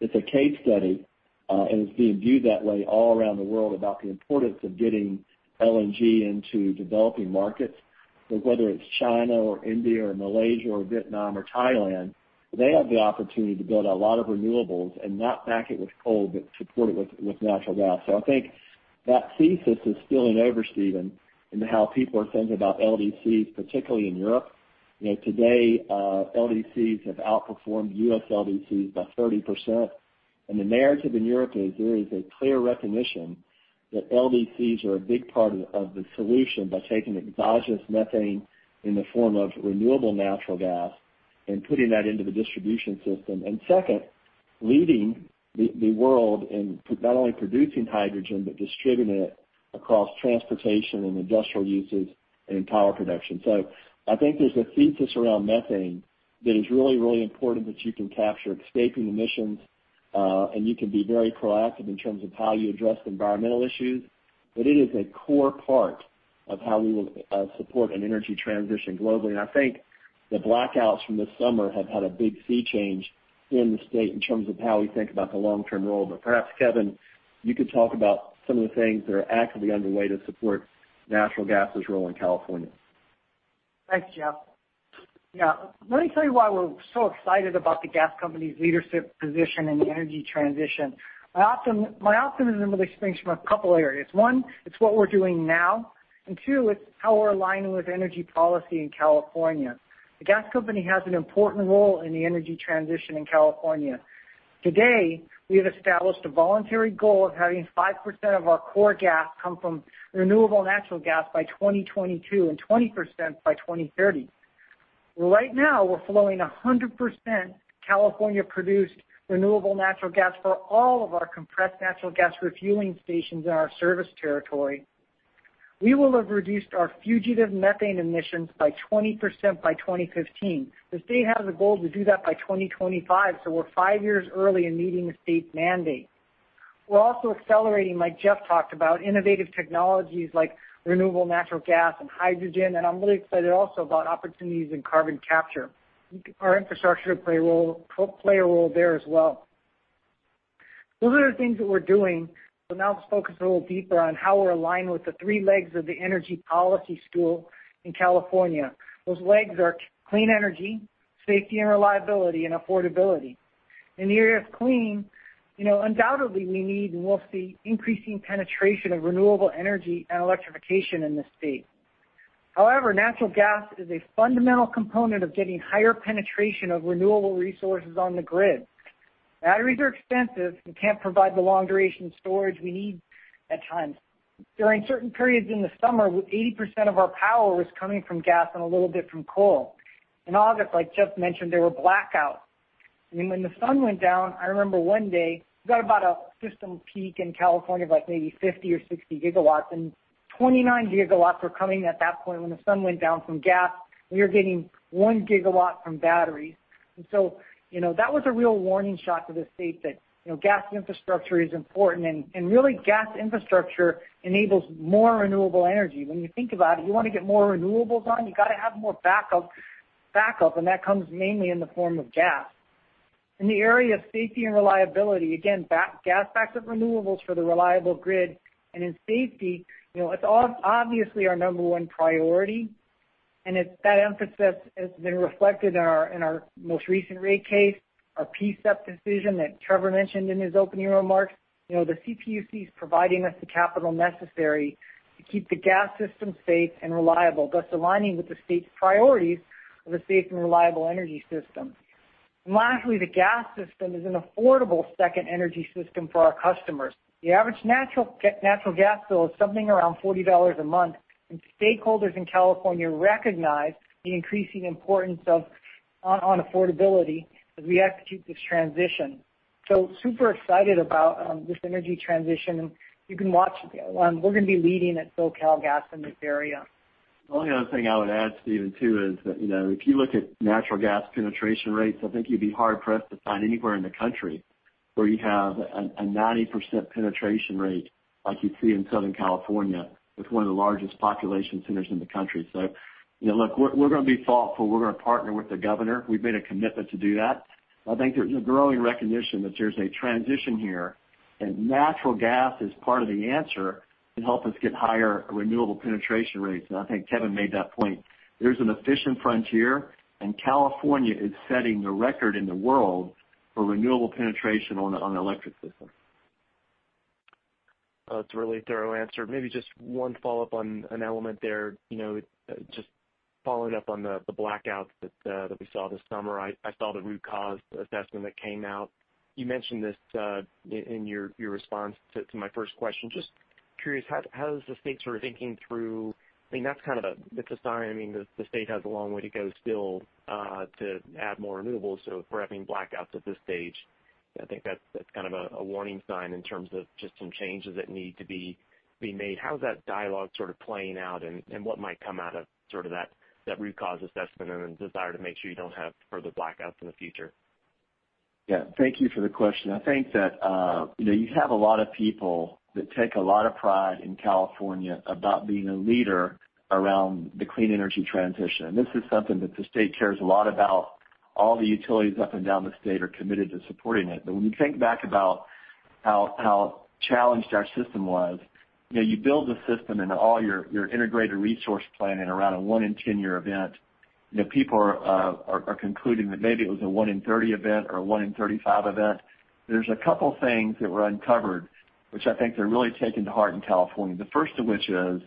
it's a case study, and it's being viewed that way all around the world, about the importance of getting LNG into developing markets. Whether it's China or India or Malaysia or Vietnam or Thailand, they have the opportunity to build a lot of renewables and not back it with coal, but support it with natural gas. I think that thesis is spilling over, Stephen, into how people are thinking about LDCs, particularly in Europe. Today, LDCs have outperformed U.S. LDCs by 30%, and the narrative in Europe is there is a clear recognition that LDCs are a big part of the solution by taking exogenous methane in the form of renewable natural gas and putting that into the distribution system. Second, leading the world in not only producing hydrogen, but distributing it across transportation and industrial uses and power production. I think there's a thesis around methane that is really, really important, that you can capture escaping emissions, and you can be very proactive in terms of how you address the environmental issues. It is a core part of how we will support an energy transition globally. I think the blackouts from this summer have had a big sea change in the state in terms of how we think about the long-term role. Perhaps, Kevin, you could talk about some of the things that are actively underway to support natural gas' role in California. Thanks, Jeff. Let me tell you why we're so excited about the gas company's leadership position in the energy transition. My optimism really springs from a couple areas. One, it's what we're doing now, and two, it's how we're aligning with energy policy in California. The gas company has an important role in the energy transition in California. Today, we have established a voluntary goal of having 5% of our core gas come from renewable natural gas by 2022 and 20% by 2030. Right now, we're flowing 100% California-produced renewable natural gas for all of our compressed natural gas refueling stations in our service territory. We will have reduced our fugitive methane emissions by 20% by 2015. The state has a goal to do that by 2025, so we're five years early in meeting the state's mandate. We're also accelerating, like Jeff talked about, innovative technologies like renewable natural gas and hydrogen, and I'm really excited also about opportunities in carbon capture. Our infrastructure play a role there as well. Those are the things that we're doing. Now let's focus a little deeper on how we're aligned with the three legs of the energy policy stool in California. Those legs are clean energy, safety and reliability, and affordability. In the area of clean, undoubtedly, we need and will see increasing penetration of renewable energy and electrification in the state. Natural gas is a fundamental component of getting higher penetration of renewable resources on the grid. Batteries are expensive and can't provide the long duration storage we need at times. During certain periods in the summer, with 80% of our power was coming from gas and a little bit from coal. In August, like Jeff mentioned, there were blackouts. When the sun went down, I remember one day, we got about a system peak in California of maybe 50 GW or 60 GW, and 29 GW were coming at that point when the sun went down from gas. We were getting 1 GW from batteries. That was a real warning shot to the state that gas infrastructure is important, and really gas infrastructure enables more renewable energy. When you think about it, you want to get more renewables on, you got to have more backup, and that comes mainly in the form of gas. In the area of safety and reliability, again, gas backs up renewables for the reliable grid. In safety, it's obviously our number one priority, and that emphasis has been reflected in our most recent rate case, our PSEP decision that Trevor mentioned in his opening remarks. The CPUC is providing us the capital necessary to keep the gas system safe and reliable, thus aligning with the state's priorities of a safe and reliable energy system. Lastly, the gas system is an affordable second energy system for our customers. The average natural gas bill is something around $40 a month, and stakeholders in California recognize the increasing importance on affordability as we execute this transition. Super excited about this energy transition. You can watch. We're going to be leading at SoCalGas in this area. The only other thing I would add, Stephen, too, is that if you look at natural gas penetration rates, I think you'd be hard-pressed to find anywhere in the country where you have a 90% penetration rate like you see in Southern California. It's one of the largest population centers in the country. Look, we're going to be thoughtful. We're going to partner with the Governor. We've made a commitment to do that. I think there's a growing recognition that there's a transition here, and natural gas is part of the answer to help us get higher renewable penetration rates, and I think Kevin made that point. There's an efficient frontier, and California is setting the record in the world for renewable penetration on the electric system. That's a really thorough answer. Maybe just one follow-up on an element there. Just following up on the blackouts that we saw this summer. I saw the root cause assessment that came out. You mentioned this in your response to my first question. Just curious, how is the state sort of thinking through? It's a sign. I mean, the state has a long way to go still to add more renewables. If we're having blackouts at this stage, I think that's kind of a warning sign in terms of just some changes that need to be made. How is that dialogue sort of playing out, and what might come out of sort of that root cause assessment and the desire to make sure you don't have further blackouts in the future? Yeah. Thank you for the question. I think that you have a lot of people that take a lot of pride in California about being a leader around the clean energy transition, and this is something that the state cares a lot about. All the utilities up and down the state are committed to supporting it. When you think back about how challenged our system was, you build the system and all your integrated resource planning around a one-in-10-year event. People are concluding that maybe it was a one-in-30 event or a one-in-35 event. There's a couple things that were uncovered, which I think they're really taken to heart in California. The first of which is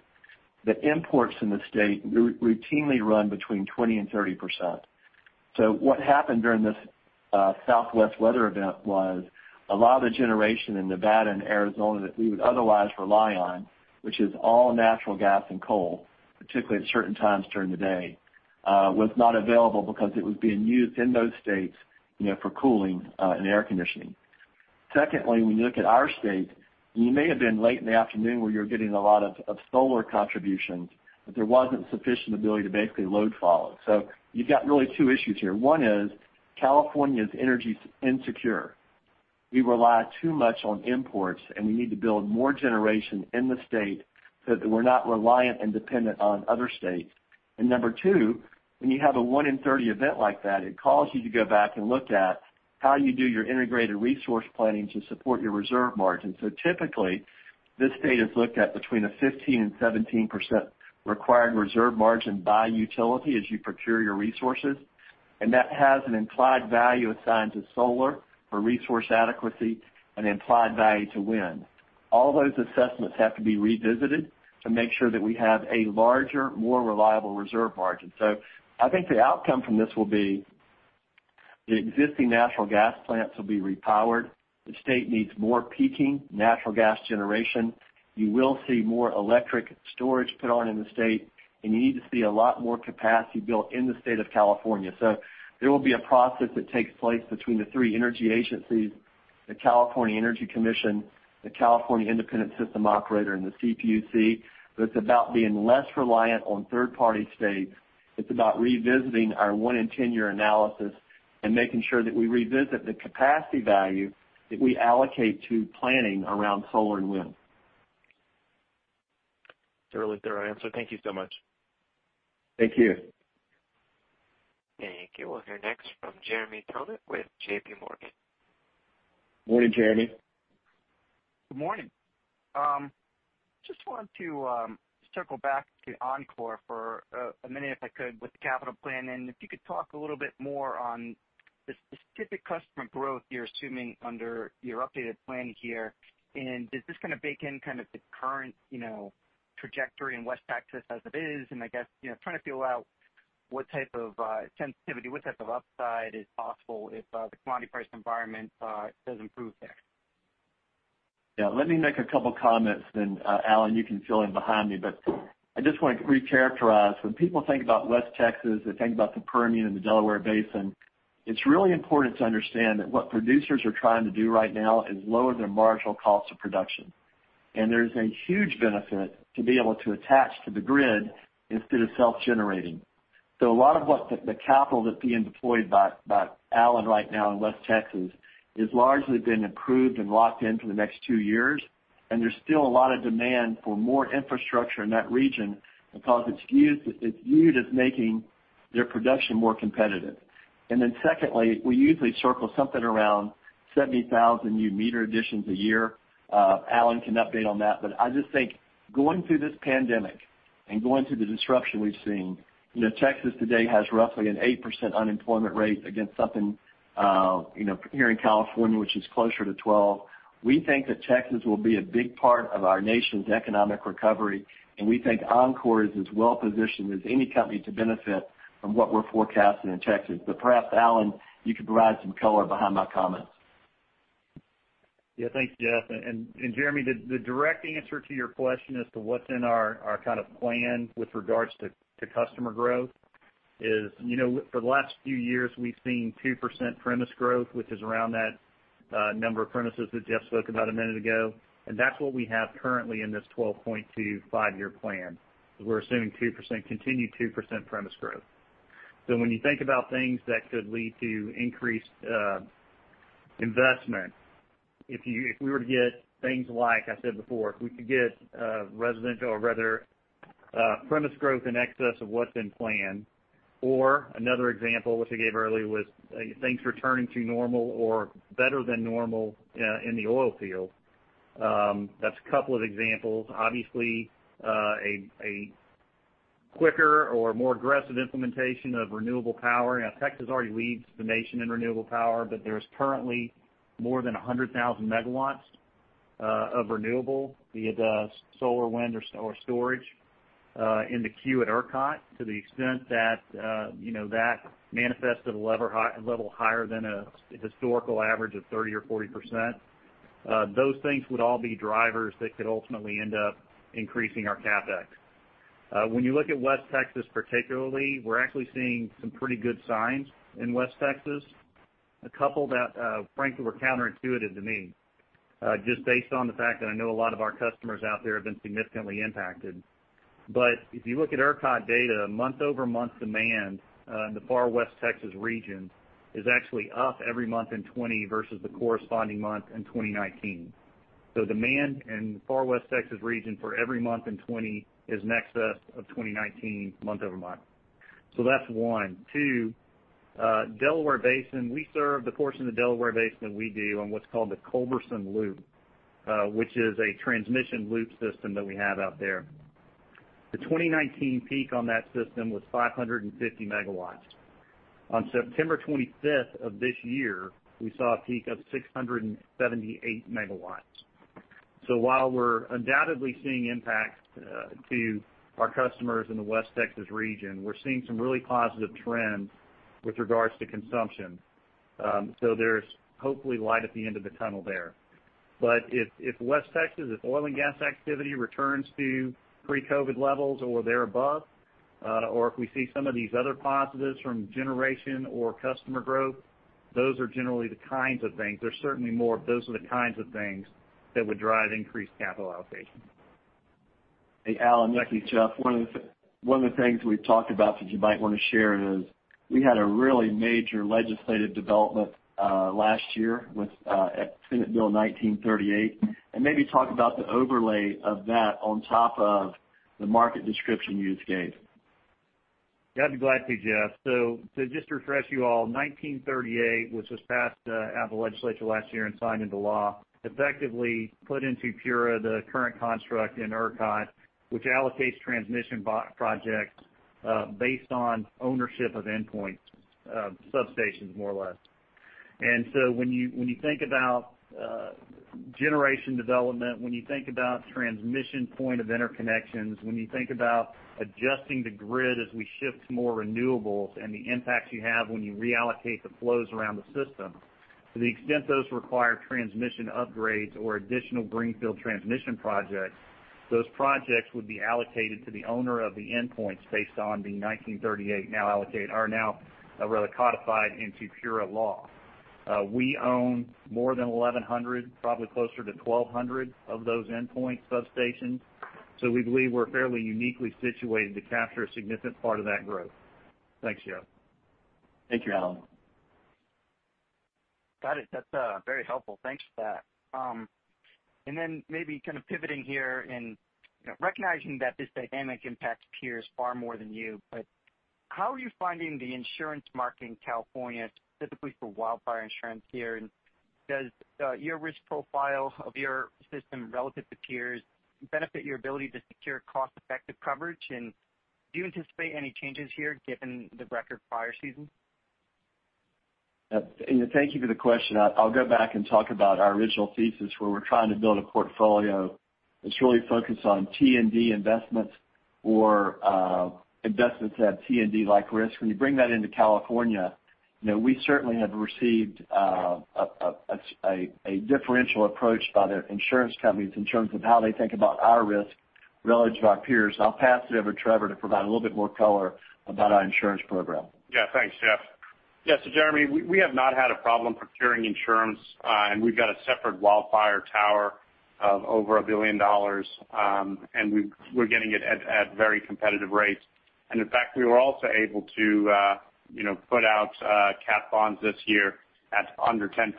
that imports in the state routinely run between 20%-30%. What happened during this Southwest weather event was a lot of the generation in Nevada and Arizona that we would otherwise rely on, which is all natural gas and coal, particularly at certain times during the day, was not available because it was being used in those states for cooling and air conditioning. Secondly, when you look at our state, you may have been late in the afternoon where you're getting a lot of solar contributions, but there wasn't sufficient ability to basically load follow. You've got really two issues here. One is California's energy's insecure. We rely too much on imports, and we need to build more generation in the state so that we're not reliant and dependent on other states. Number two, when you have a one-in-30 event like that, it causes you to go back and look at how you do your integrated resource planning to support your reserve margin. Typically, this state has looked at between a 15% and 17% required reserve margin by utility as you procure your resources, and that has an implied value assigned to solar for resource adequacy and implied value to wind. All those assessments have to be revisited to make sure that we have a larger, more reliable reserve margin. I think the outcome from this will be the existing natural gas plants will be repowered. The state needs more peaking natural gas generation. You will see more electric storage put on in the state, and you need to see a lot more capacity built in the state of California. There will be a process that takes place between the three energy agencies, the California Energy Commission, the California Independent System Operator, and the CPUC. It's about being less reliant on third-party states. It's about revisiting our one-in-10-year analysis and making sure that we revisit the capacity value that we allocate to planning around solar and wind. Thorough answer. Thank you so much. Thank you. Thank you. We will hear next from Jeremy Tonet with JPMorgan. Morning, Jeremy. Good morning. Just wanted to circle back to Oncor for a minute, if I could, with the capital plan. If you could talk a little bit more on the specific customer growth you're assuming under your updated plan here. Does this kind of bake in the current trajectory in West Texas as it is? I guess, trying to feel out what type of sensitivity, what type of upside is possible if the commodity price environment does improve there. Yeah, let me make a couple comments then, Allen, you can fill in behind me. I just want to recharacterize. When people think about West Texas, they think about the Permian and the Delaware Basin. It's really important to understand that what producers are trying to do right now is lower their marginal cost of production. There's a huge benefit to be able to attach to the grid instead of self-generating. A lot of what the capital that's being deployed by Allen right now in West Texas has largely been approved and locked in for the next two years, and there's still a lot of demand for more infrastructure in that region because it's viewed as making their production more competitive. Secondly, we usually circle something around 70,000 new meter additions a year. I just think going through this pandemic and going through the disruption we've seen, Texas today has roughly an 8% unemployment rate against something here in California, which is closer to 12%. We think that Texas will be a big part of our nation's economic recovery, and we think Oncor is as well-positioned as any company to benefit from what we're forecasting in Texas. Perhaps, Allen, you could provide some color behind my comments. Thanks, Jeff. Jeremy, the direct answer to your question as to what's in our plan with regards to customer growth is, for the last few years, we've seen 2% premise growth, which is around that number of premises that Jeff spoke about a minute ago. That's what we have currently in this 12.25-year plan, is we're assuming continued 2% premise growth. When you think about things that could lead to increased investment, if we were to get things like I said before, if we could get residential or rather premise growth in excess of what's been planned, or another example, which I gave earlier, was things returning to normal or better than normal in the oil field. That's a couple of examples. Obviously, a quicker or more aggressive implementation of renewable power. Texas already leads the nation in renewable power, but there's currently more than 100,000 MW of renewable, be it solar, wind, or storage, in the queue at ERCOT. To the extent that manifested a level higher than a historical average of 30% or 40%. Those things would all be drivers that could ultimately end up increasing our CapEx. When you look at West Texas particularly, we're actually seeing some pretty good signs in West Texas. A couple that, frankly, were counterintuitive to me, just based on the fact that I know a lot of our customers out there have been significantly impacted. If you look at ERCOT data, month-over-month demand in the far West Texas region is actually up every month in 2020 versus the corresponding month in 2019. Demand in the far West Texas region for every month in 2020 is in excess of 2019 month-over-month. That's one. Two, Delaware Basin, we serve the portion of the Delaware Basin that we do on what's called the Culberson Loop, which is a transmission loop system that we have out there. The 2019 peak on that system was 550 MW. On September 25th of this year, we saw a peak of 678 MW. While we're undoubtedly seeing impact to our customers in the West Texas region, we're seeing some really positive trends with regards to consumption. There's hopefully light at the end of the tunnel there. If West Texas, if oil and gas activity returns to pre-COVID levels or there above, or if we see some of these other positives from generation or customer growth, those are generally the kinds of things. There's certainly more, but those are the kinds of things that would drive increased capital outlays. Hey, Allen, it's Jeff, one of the things we've talked about that you might want to share is we had a really major legislative development last year at Senate Bill 1938, and maybe talk about the overlay of that on top of the market description you just gave. I'd be glad to, Jeff. To just refresh you all, 1938, which was passed out of the legislature last year and signed into law, effectively put into PURA the current construct in ERCOT, which allocates transmission projects based on ownership of endpoint substations, more or less. When you think about generation development, when you think about transmission point of interconnections, when you think about adjusting the grid as we shift to more renewables and the impacts you have when you reallocate the flows around the system. To the extent those require transmission upgrades or additional greenfield transmission projects, those projects would be allocated to the owner of the endpoints based on the 1938, are now really codified into PURA law. We own more than 1,100, probably closer to 1,200 of those endpoint substations. We believe we're fairly uniquely situated to capture a significant part of that growth. Thanks, Jeff. Thank you, Allen. Got it. That's very helpful. Thanks for that. Then maybe kind of pivoting here and recognizing that this dynamic impacts peers far more than you, but how are you finding the insurance market in California, specifically for wildfire insurance peers? Does your risk profile of your system relative to peers benefit your ability to secure cost-effective coverage? Do you anticipate any changes here given the record fire season? Thank you for the question. I'll go back and talk about our original thesis, where we're trying to build a portfolio that's really focused on T&D investments or investments that have T&D-like risk. When you bring that into California, we certainly have received a differential approach by the insurance companies in terms of how they think about our risk relative to our peers. I'll pass it over to Trevor to provide a little bit more color about our insurance program. Yeah. Thanks, Jeff. Yeah. Jeremy, we have not had a problem procuring insurance, and we've got a separate wildfire tower of over $1 billion, and we're getting it at very competitive rates. In fact, we were also able to put out cat bonds this year at under 10%.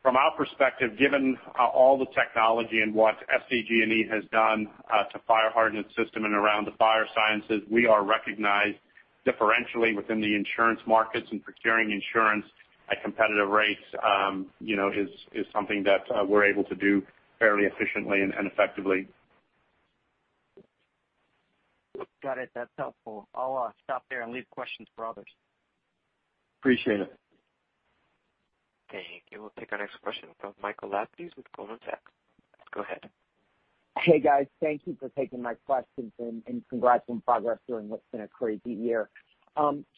From our perspective, given all the technology and what SDG&E has done to fire harden its system and around the fire sciences, we are recognized differentially within the insurance markets and procuring insurance at competitive rates is something that we're able to do fairly efficiently and effectively. Got it. That's helpful. I'll stop there and leave questions for others. Appreciate it. Thank you. We'll take our next question from Michael Lapides with Goldman Sachs. Go ahead. Hey, guys. Thank you for taking my questions, and congrats on progress during what's been a crazy year.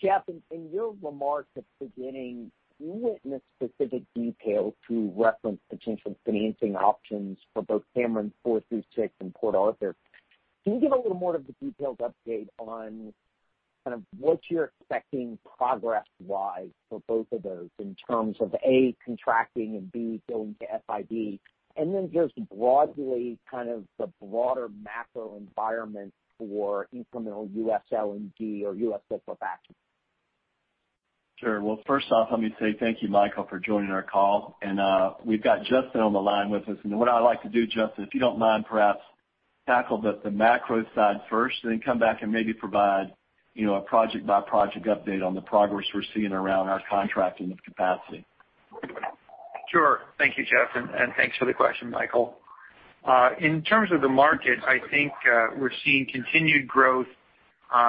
Jeff, in your remarks at the beginning, you went into specific details to reference potential financing options for both Cameron and Port Arthur. Can you give a little more of the detailed update on what you're expecting progress-wise for both of those in terms of, A, contracting and B, going to FID? Then just broadly, the broader macro environment for incremental U.S. LNG or U.S. export back. Sure. Well, first off, let me say thank you, Michael, for joining our call. We've got Justin on the line with us. What I'd like to do, Justin, if you don't mind, perhaps tackle the macro side first, then come back and maybe provide a project-by-project update on the progress we're seeing around our contracting of capacity. Sure. Thank you, Jeff, and thanks for the question, Michael. In terms of the market, I think we're seeing continued growth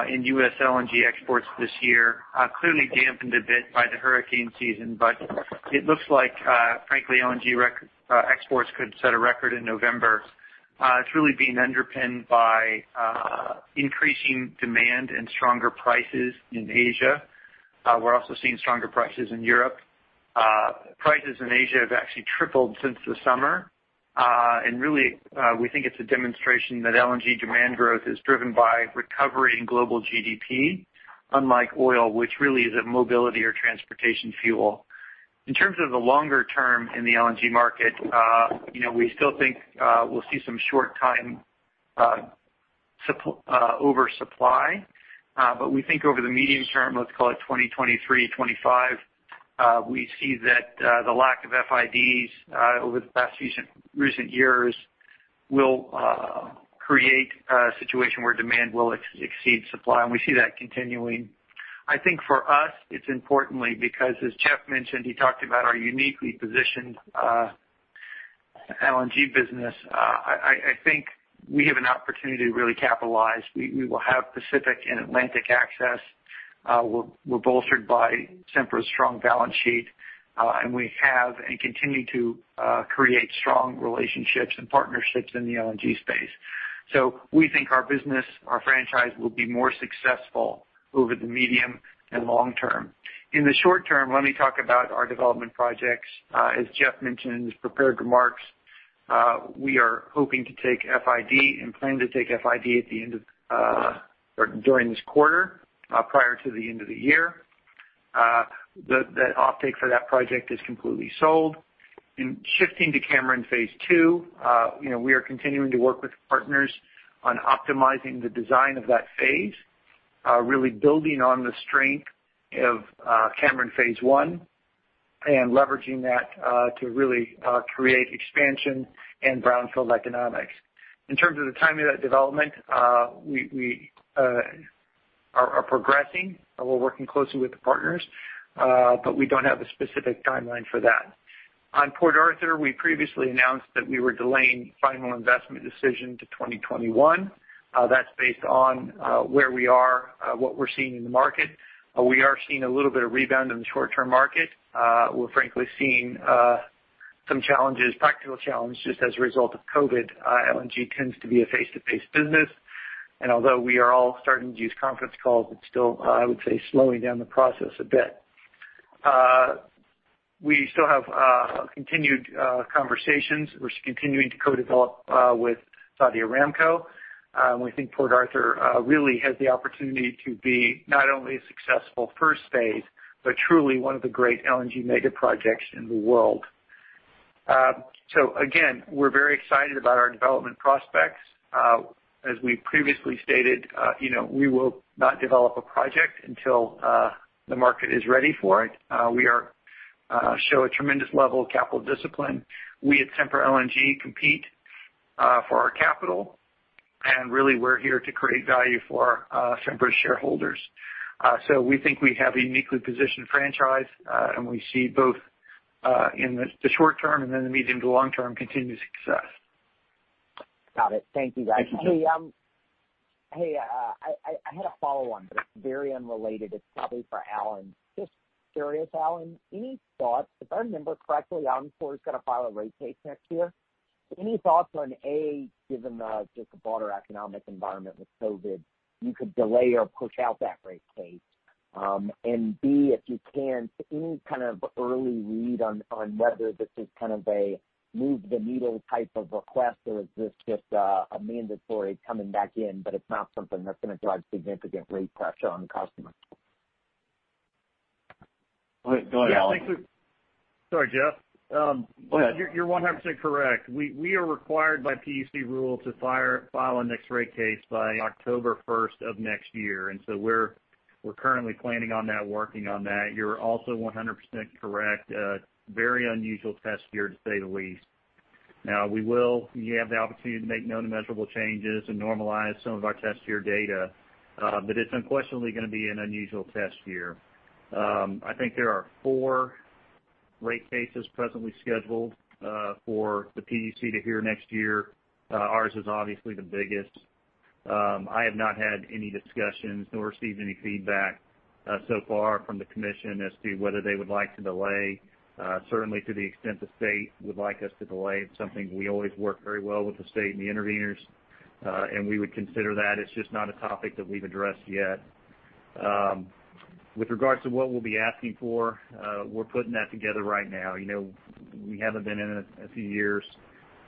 in U.S. LNG exports this year. Clearly dampened a bit by the hurricane season, but it looks like, frankly, LNG exports could set a record in November. It's really being underpinned by increasing demand and stronger prices in Asia. We're also seeing stronger prices in Europe. Prices in Asia have actually tripled since the summer. Really, we think it's a demonstration that LNG demand growth is driven by recovery in global GDP, unlike oil, which really is a mobility or transportation fuel. In terms of the longer term in the LNG market, we still think we'll see some short time oversupply. We think over the medium term, let's call it 2023, 2025, we see that the lack of FIDs over the past recent years will create a situation where demand will exceed supply, and we see that continuing. I think for us, it's importantly because, as Jeff mentioned, he talked about our uniquely positioned LNG business. I think we have an opportunity to really capitalize. We will have Pacific and Atlantic access. We're bolstered by Sempra's strong balance sheet, and we have and continue to create strong relationships and partnerships in the LNG space. We think our business, our franchise, will be more successful over the medium and long term. In the short term, let me talk about our development projects. As Jeff mentioned in his prepared remarks, we are hoping to take FID and plan to take FID during this quarter, prior to the end of the year. The offtake for that project is completely sold. In shifting to Cameron phase II, we are continuing to work with partners on optimizing the design of that phase, really building on the strength of Cameron phase I and leveraging that to really create expansion and brownfield economics. In terms of the timing of that development, we are progressing, and we're working closely with the partners. We don't have a specific timeline for that. On Port Arthur, we previously announced that we were delaying final investment decision to 2021. That's based on where we are, what we're seeing in the market. We are seeing a little bit of rebound in the short-term market. We're frankly seeing some practical challenges as a result of COVID. LNG tends to be a face-to-face business, and although we are all starting to use conference calls, it's still, I would say, slowing down the process a bit. We still have continued conversations. We're continuing to co-develop with Saudi Aramco. We think Port Arthur really has the opportunity to be not only a successful first phase, but truly one of the great LNG mega projects in the world. Again, we're very excited about our development prospects. As we previously stated, we will not develop a project until the market is ready for it. We show a tremendous level of capital discipline. We at Sempra LNG compete for our capital, and really, we're here to create value for Sempra's shareholders. We think we have a uniquely positioned franchise, and we see both in the short term and in the medium to long term, continued success. Got it. Thank you, guys. Thank you. Hey, I had a follow-on. It's very unrelated. It's probably for Allen. Just curious, Allen, any thoughts? If I remember correctly, Oncor is going to file a rate case next year. Any thoughts on, A, given just the broader economic environment with COVID, you could delay or push out that rate case? B, if you can, any kind of early read on whether this is kind of a move the needle type of request, or is this just a mandatory coming back in, but it's not something that's going to drive significant rate pressure on the customer? Go ahead, Allen. Yeah, thanks sorry, Jeff. Go ahead. You're 100% correct. We are required by PUC rule to file our next rate case by October 1st of next year. We're currently planning on that, working on that. You're also 100% correct. Very unusual test year to say the least. We have the opportunity to make no new measurable changes and normalize some of our test year data. It's unquestionably going to be an unusual test year. I think there are four rate cases presently scheduled for the PUC to hear next year. Ours is obviously the biggest. I have not had any discussions nor received any feedback so far from the commission as to whether they would like to delay. Certainly to the extent the state would like us to delay, it's something we always work very well with the state and the intervenors, and we would consider that. It's just not a topic that we've addressed yet. With regards to what we'll be asking for, we're putting that together right now. We haven't been in a few years,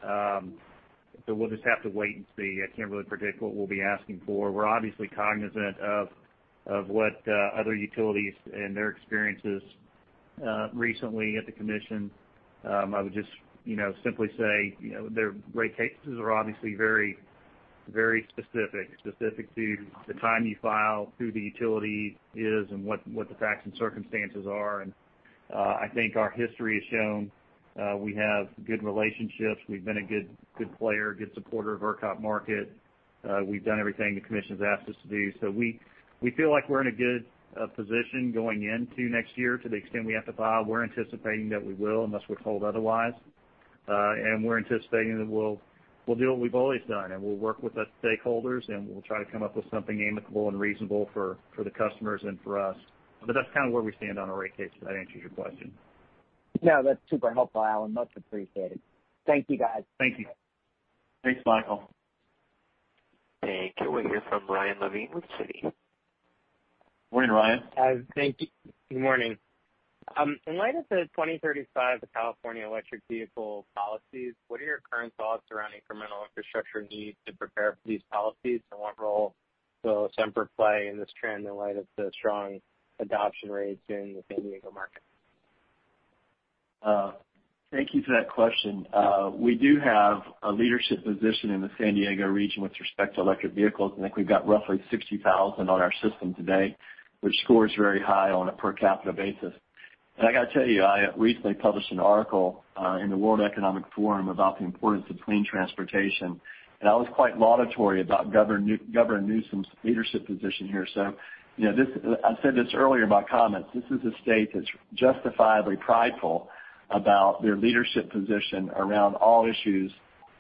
so we'll just have to wait and see. I can't really predict what we'll be asking for. We're obviously cognizant of what other utilities and their experiences recently at the Commission. I would just simply say, their rate cases are obviously very specific. Specific to the time you file, who the utility is, and what the facts and circumstances are. I think our history has shown we have good relationships. We've been a good player, good supporter of ERCOT market. We've done everything the Commission's asked us to do. We feel like we're in a good position going into next year to the extent we have to file. We're anticipating that we will, unless we're told otherwise. We're anticipating that we'll do what we've always done, and we'll work with the stakeholders, and we'll try to come up with something amicable and reasonable for the customers and for us. That's kind of where we stand on our rate case, if that answers your question. No, that's super helpful, Allen. Much appreciated. Thank you, guys. Thank you. Thanks, Michael. Thank you. We'll hear from Ryan Levine with Citi. Morning, Ryan. Thank you. Good morning. In light of the 2035 California electric vehicle policies, what are your current thoughts around incremental infrastructure needs to prepare for these policies, and what role will Sempra play in this trend in light of the strong adoption rates in the San Diego market? Thank you for that question. We do have a leadership position in the San Diego region with respect to electric vehicles. I think we've got roughly 60,000 on our system today, which scores very high on a per capita basis. I got to tell you, I recently published an article in the World Economic Forum about the importance of clean transportation, and I was quite laudatory about Gavin Newsom's leadership position here. I said this earlier in my comments. This is a state that's justifiably prideful about their leadership position around all issues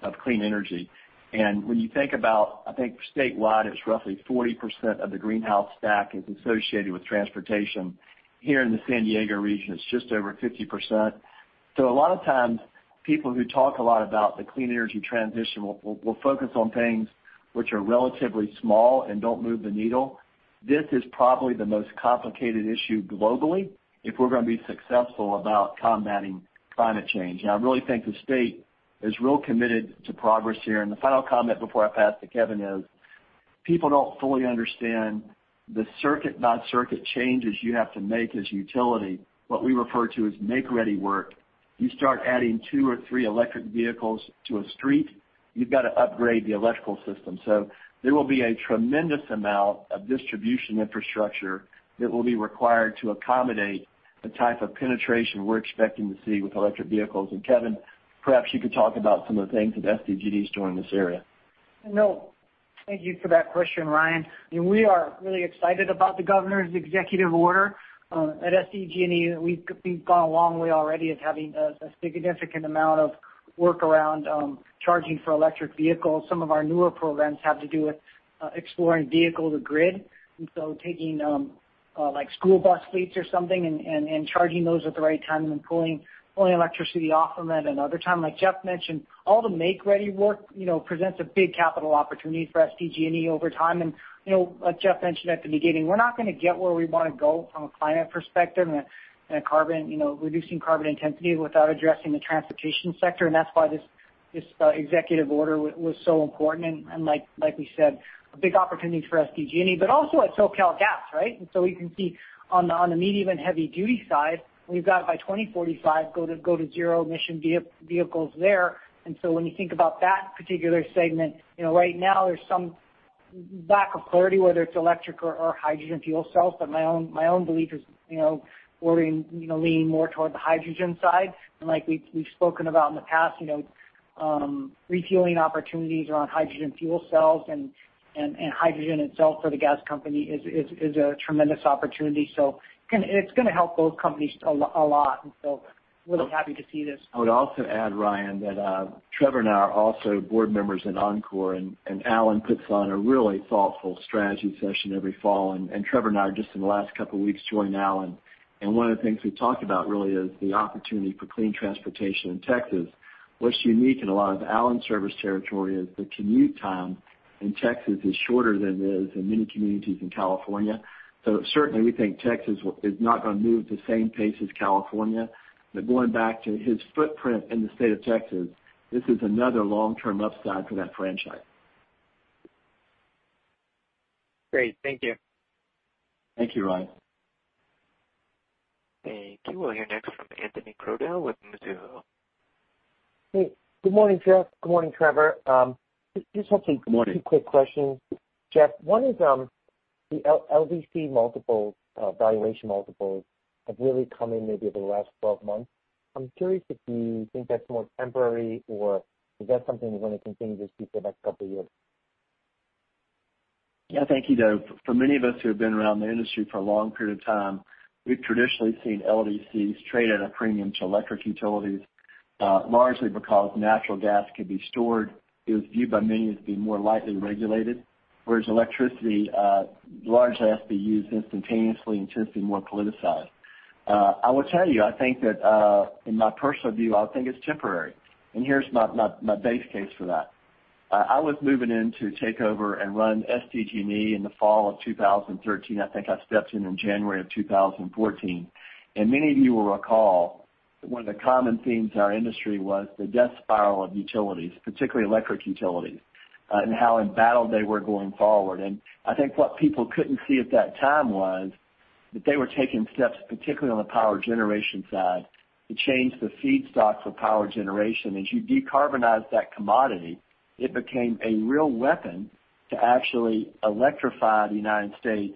of clean energy. When you think about, I think statewide, it's roughly 40% of the greenhouse stack is associated with transportation. Here in the San Diego region, it's just over 50%. A lot of times, people who talk a lot about the clean energy transition will focus on things which are relatively small and don't move the needle. This is probably the most complicated issue globally if we're going to be successful about combating climate change. I really think the state is real committed to progress here. The final comment before I pass to Kevin is, people don't fully understand the circuit, not circuit changes you have to make as a utility, what we refer to as make-ready work. You start adding two or three electric vehicles to a street, you've got to upgrade the electrical system. There will be a tremendous amount of distribution infrastructure that will be required to accommodate the type of penetration we're expecting to see with electric vehicles. Kevin, perhaps you could talk about some of the things that SDG&E is doing in this area? No. Thank you for that question, Ryan. We are really excited about the governor's executive order. At SDG&E, we've gone a long way already as having a significant amount of work around charging for electric vehicles. Some of our newer programs have to do with exploring vehicle to grid. Taking school bus fleets or something and charging those at the right time and then pulling electricity off of it another time. Like Jeff mentioned, all the make-ready work presents a big capital opportunity for SDG&E over time. Like Jeff mentioned at the beginning, we're not going to get where we want to go from a climate perspective and reducing carbon intensity without addressing the transportation sector. That's why this executive order was so important. Like we said, a big opportunity for SDG&E, but also at SoCalGas, right? We can see on the medium and heavy duty side, we've got by 2045, go to zero emission vehicles there. When you think about that particular segment, right now there's some lack of clarity whether it's electric or hydrogen fuel cells. My own belief is we're leaning more toward the hydrogen side. Like we've spoken about in the past, refueling opportunities around hydrogen fuel cells and hydrogen itself for the Gas Company is a tremendous opportunity. It's going to help both companies a lot, and so really happy to see this. I would also add, Ryan, that Trevor and I are also board members in Oncor, and Allen puts on a really thoughtful strategy session every fall. Trevor and I just in the last couple of weeks joined Allen, and one of the things we talked about really is the opportunity for clean transportation in Texas. What's unique in a lot of Allen's service territory is the commute time in Texas is shorter than it is in many communities in California. Certainly, we think Texas is not going to move at the same pace as California. Going back to his footprint in the state of Texas, this is another long-term upside for that franchise. Great. Thank you. Thank you, Ryan. Thank you. We'll hear next from Anthony Crowdell with Mizuho. Hey, good morning, Jeff. Good morning, Trevor. Good morning. Just have two quick questions. Jeff, one is the LDC valuation multiples have really come in maybe over the last 12 months. I'm curious if you think that's more temporary or is that something you want to continue to see for the next couple of years? Yeah. Thank you, Anthony. For many of us who have been around the industry for a long period of time, we've traditionally seen LDCs trade at a premium to electric utilities, largely because natural gas can be stored. It was viewed by many as being more lightly regulated, whereas electricity largely has to be used instantaneously and tends to be more politicized. I will tell you, I think that, in my personal view, I think it's temporary, here's my base case for that. I was moving in to take over and run SDG&E in the fall of 2013. I think I stepped in in January of 2014. Many of you will recall that one of the common themes in our industry was the death spiral of utilities, particularly electric utilities, and how embattled they were going forward. I think what people couldn't see at that time was that they were taking steps, particularly on the power generation side, to change the feedstock for power generation. As you decarbonize that commodity, it became a real weapon to actually electrify the U.S.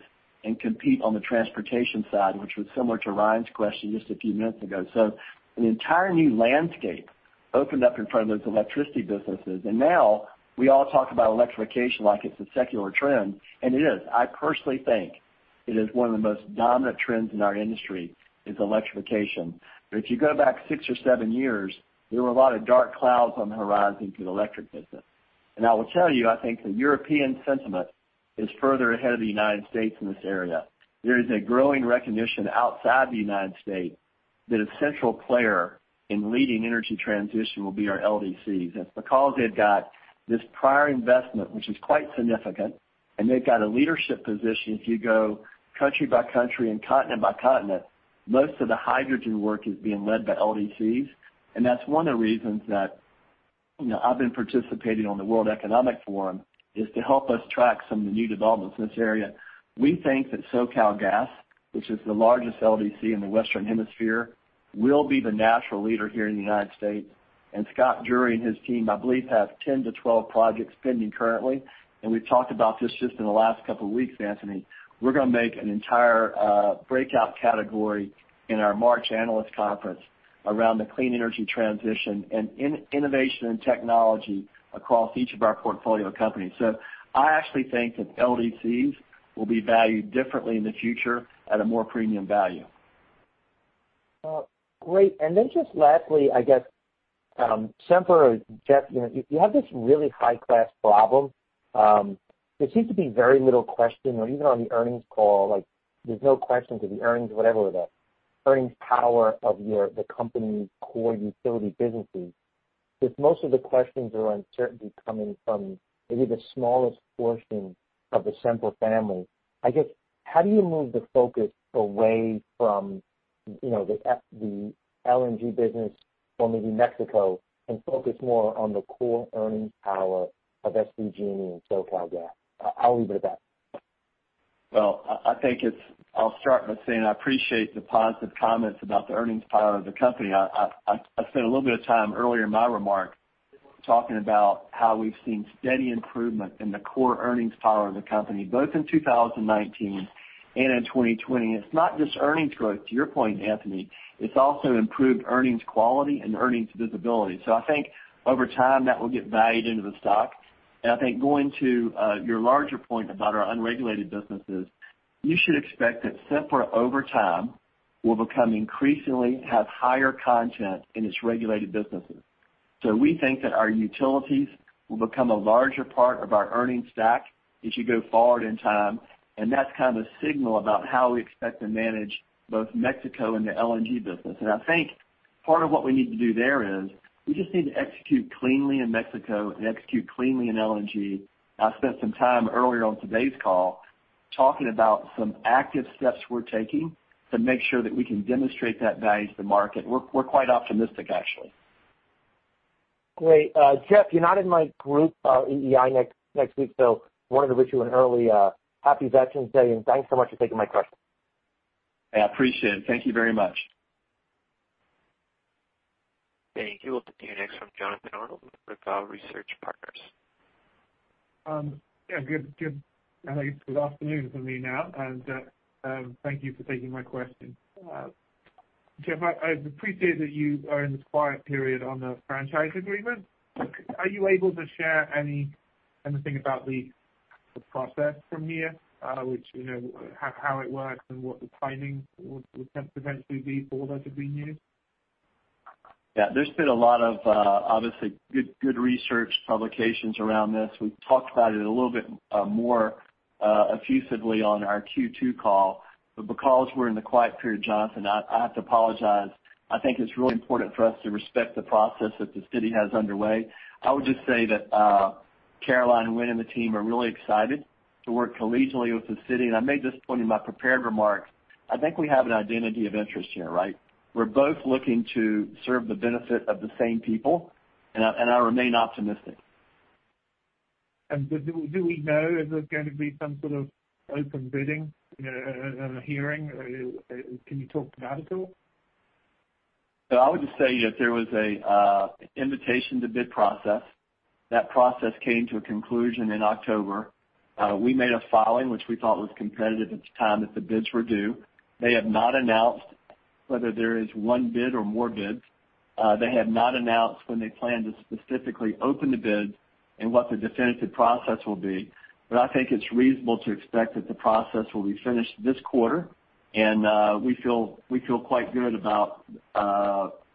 and compete on the transportation side, which was similar to Ryan's question just a few minutes ago. An entire new landscape opened up in front of those electricity businesses. Now we all talk about electrification like it's a secular trend, and it is. I personally think it is one of the most dominant trends in our industry, is electrification. If you go back six or seven years, there were a lot of dark clouds on the horizon for the electric business. I will tell you, I think the European sentiment is further ahead of the U.S. in this area. There is a growing recognition outside the U.S. that a central player in leading energy transition will be our LDCs. That's because they've got this prior investment, which is quite significant, and they've got a leadership position. If you go country by country and continent by continent, most of the hydrogen work is being led by LDCs, and that's one of the reasons that I've been participating on the World Economic Forum, is to help us track some of the new developments in this area. We think that SoCalGas, which is the largest LDC in the Western Hemisphere, will be the natural leader here in the U.S. Scott Drury and his team, I believe, have 10-12 projects pending currently. We've talked about this just in the last couple of weeks, Anthony. We're going to make an entire breakout category in our March analyst conference around the clean energy transition and innovation and technology across each of our portfolio companies. I actually think that LDCs will be valued differently in the future at a more premium value. Great. Just lastly, I guess Sempra, Jeff, you have this really high-class problem. There seems to be very little question or even on the earnings call, there's no question to the earnings, whatever the earnings power of the company's core utility businesses. If most of the questions or uncertainty coming from maybe the smallest portion of the Sempra family, I guess, how do you move the focus away from the LNG business or maybe Mexico and focus more on the core earnings power of SDG&E and SoCalGas? I'll leave it at that. Well, I'll start by saying I appreciate the positive comments about the earnings power of the company. I spent a little bit of time earlier in my remarks talking about how we've seen steady improvement in the core earnings power of the company both in 2019 and in 2020. It's not just earnings growth, to your point, Anthony. It's also improved earnings quality and earnings visibility. I think over time, that will get valued into the stock. I think going to your larger point about our unregulated businesses, you should expect that Sempra, over time, will become increasingly have higher content in its regulated businesses. We think that our utilities will become a larger part of our earnings stack as you go forward in time, and that's kind of a signal about how we expect to manage both Mexico and the LNG business. I think part of what we need to do there is we just need to execute cleanly in Mexico and execute cleanly in LNG. I spent some time earlier on today's call talking about some active steps we're taking to make sure that we can demonstrate that value to the market. We're quite optimistic, actually. Great. Jeff, you're not in my group, EEI, next week, so wanted to wish you an early Happy Veterans Day, and thanks so much for taking my question. I appreciate it. Thank you very much. Thank you. We'll continue next from Jonathan Arnold with Vertical Research Partners. Yeah, good afternoon for me now. Thank you for taking my question. Jeff, I appreciate that you are in this quiet period on the franchise agreement. Are you able to share anything about the process from here? How it works and what the timing would potentially be for that to be renewed? Yeah. There's been a lot of, obviously, good research publications around this. We've talked about it a little bit more effusively on our Q2 call. Because we're in the quiet period, Jonathan, I have to apologize. I think it's really important for us to respect the process that the City has underway. I would just say that Caroline Winn, and the team are really excited to work collegially with the City, and I made this point in my prepared remarks. I think we have an identity of interest here, right? We're both looking to serve the benefit of the same people, and I remain optimistic. Do we know, is there going to be some sort of open bidding and a hearing? Can you talk to that at all? I would just say that there was an invitation to bid process. That process came to a conclusion in October. We made a filing, which we thought was competitive at the time that the bids were due. They have not announced whether there is one bid or more bids. They have not announced when they plan to specifically open the bids and what the definitive process will be. I think it's reasonable to expect that the process will be finished this quarter, and we feel quite good about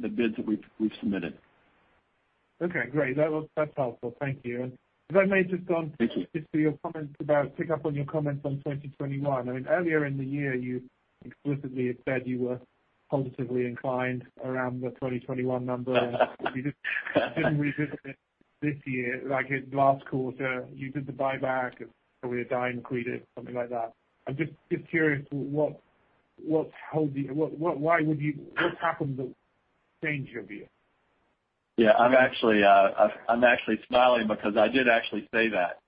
the bids that we've submitted. Okay, great. That's helpful. Thank you. Thank you. just to your comments, pick up on your comments on 2021. I mean, earlier in the year, you explicitly had said you were positively inclined around the 2021 number. You just didn't revisit it this year. Like in last quarter, you did the buyback of probably a $0.10 accreted, something like that. I'm just curious, what happened that changed your view? Yeah. I'm actually smiling because I did actually say that.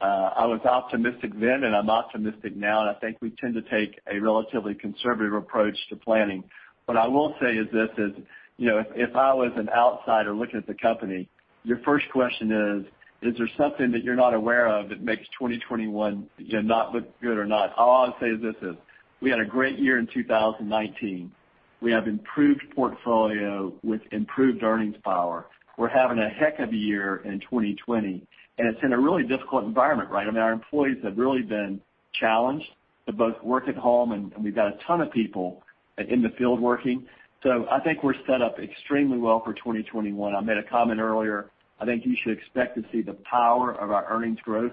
I was optimistic then, and I'm optimistic now. I think we tend to take a relatively conservative approach to planning. What I will say is this is, if I was an outsider looking at the company, your first question is, is there something that you're not aware of that makes 2021 not look good or not? All I'll say is this is, we had a great year in 2019. We have improved portfolio with improved earnings power. We're having a heck of a year in 2020. It's in a really difficult environment, right? I mean, our employees have really been challenged to both work at home. We've got a ton of people in the field working. I think we're set up extremely well for 2021. I made a comment earlier. I think you should expect to see the power of our earnings growth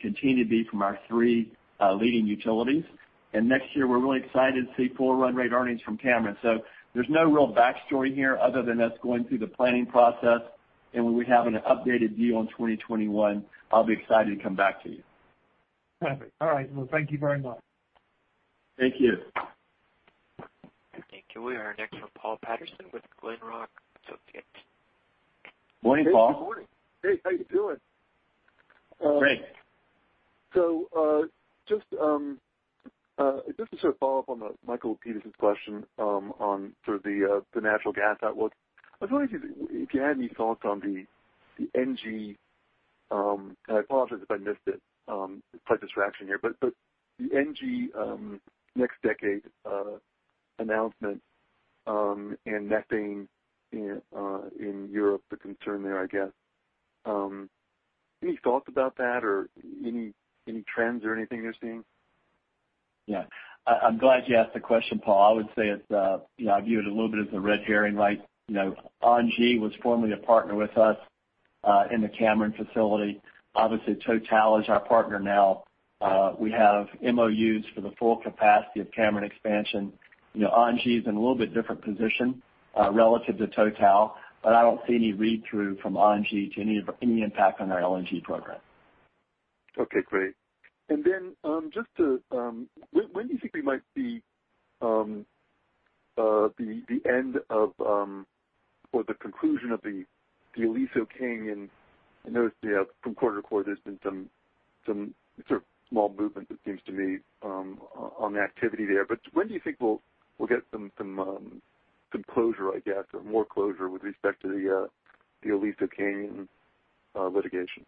continue to be from our three leading utilities. Next year, we're really excited to see full run rate earnings from Cameron. There's no real backstory here other than us going through the planning process. When we have an updated view on 2021, I'll be excited to come back to you. Perfect. All right. Well, thank you very much. Thank you. Thank you. We are next for Paul Patterson with Glenrock Associates. Morning, Paul. Hey, good morning. Hey, how you doing? Great. Just to sort of follow up on Michael Lapides' question on sort of the natural gas outlook. I was wondering if you had any thoughts on the NextDecade, and I apologize if I missed it. Slight distraction here, the NextDecade next decade announcement and [Engie] in Europe, the concern there, I guess. Any thoughts about that or any trends or anything you're seeing? Yeah. I'm glad you asked the question, Paul. I would say I view it a little bit as a red herring. LNG was formerly a partner with us, in the Cameron facility. Obviously, TotalEnergies is our partner now. We have MOUs for the full capacity of Cameron expansion. LNG is in a little bit different position, relative to TotalEnergies, but I don't see any read-through from LNG to any impact on our LNG program. Okay, great. When do you think we might see the end of or the conclusion of the Aliso Canyon? I noticed from quarter-to-quarter, there's been some sort of small movement, it seems to me, on the activity there. When do you think we'll get some closure, I guess, or more closure with respect to the Aliso Canyon litigation? Yeah.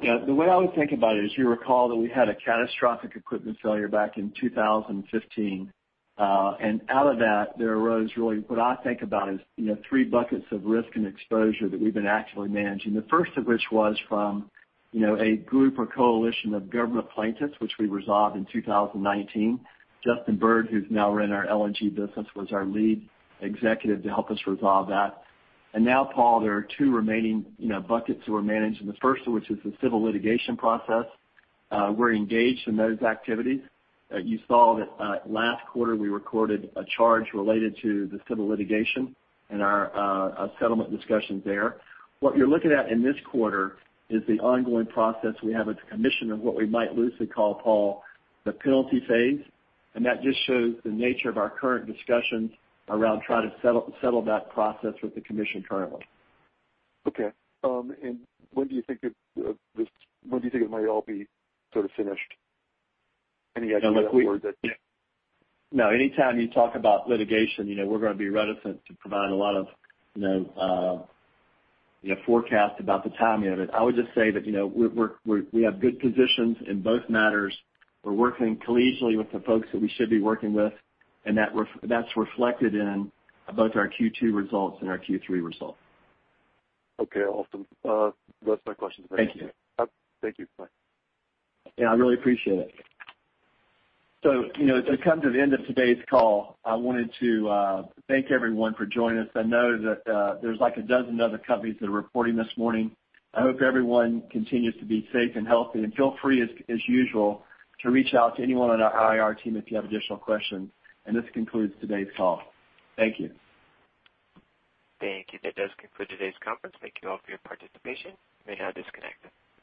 The way I would think about it is you recall that we had a catastrophic equipment failure back in 2015. Out of that, there arose really what I think about as three buckets of risk and exposure that we've been actually managing. The first of which was from a group or coalition of government plaintiffs, which we resolved in 2019. Justin Bird, who's now ran our LNG business, was our lead executive to help us resolve that. Now, Paul, there are two remaining buckets that we're managing. The first of which is the civil litigation process. We're engaged in those activities. You saw that last quarter, we recorded a charge related to the civil litigation and our settlement discussions there. What you're looking at in this quarter is the ongoing process we have with the commission of what we might loosely call, Paul, the penalty phase. That just shows the nature of our current discussions around trying to settle that process with the Commission currently. Okay. When do you think it might all be sort of finished? Any idea? Anytime you talk about litigation, we're going to be reticent to provide a lot of forecast about the timing of it. I would just say that we have good positions in both matters. We're working collegially with the folks that we should be working with, that's reflected in both our Q2 results and our Q3 results. Okay. Awesome. That's my questions. Thank you. Thank you. Bye. Yeah, I really appreciate it. To come to the end of today's call, I wanted to thank everyone for joining us. I know that there's like a dozen other companies that are reporting this morning. I hope everyone continues to be safe and healthy, and feel free as usual to reach out to anyone on our IR team if you have additional questions. This concludes today's call. Thank you. Thank you. That does conclude today's conference. Thank you all for your participation. You may now disconnect.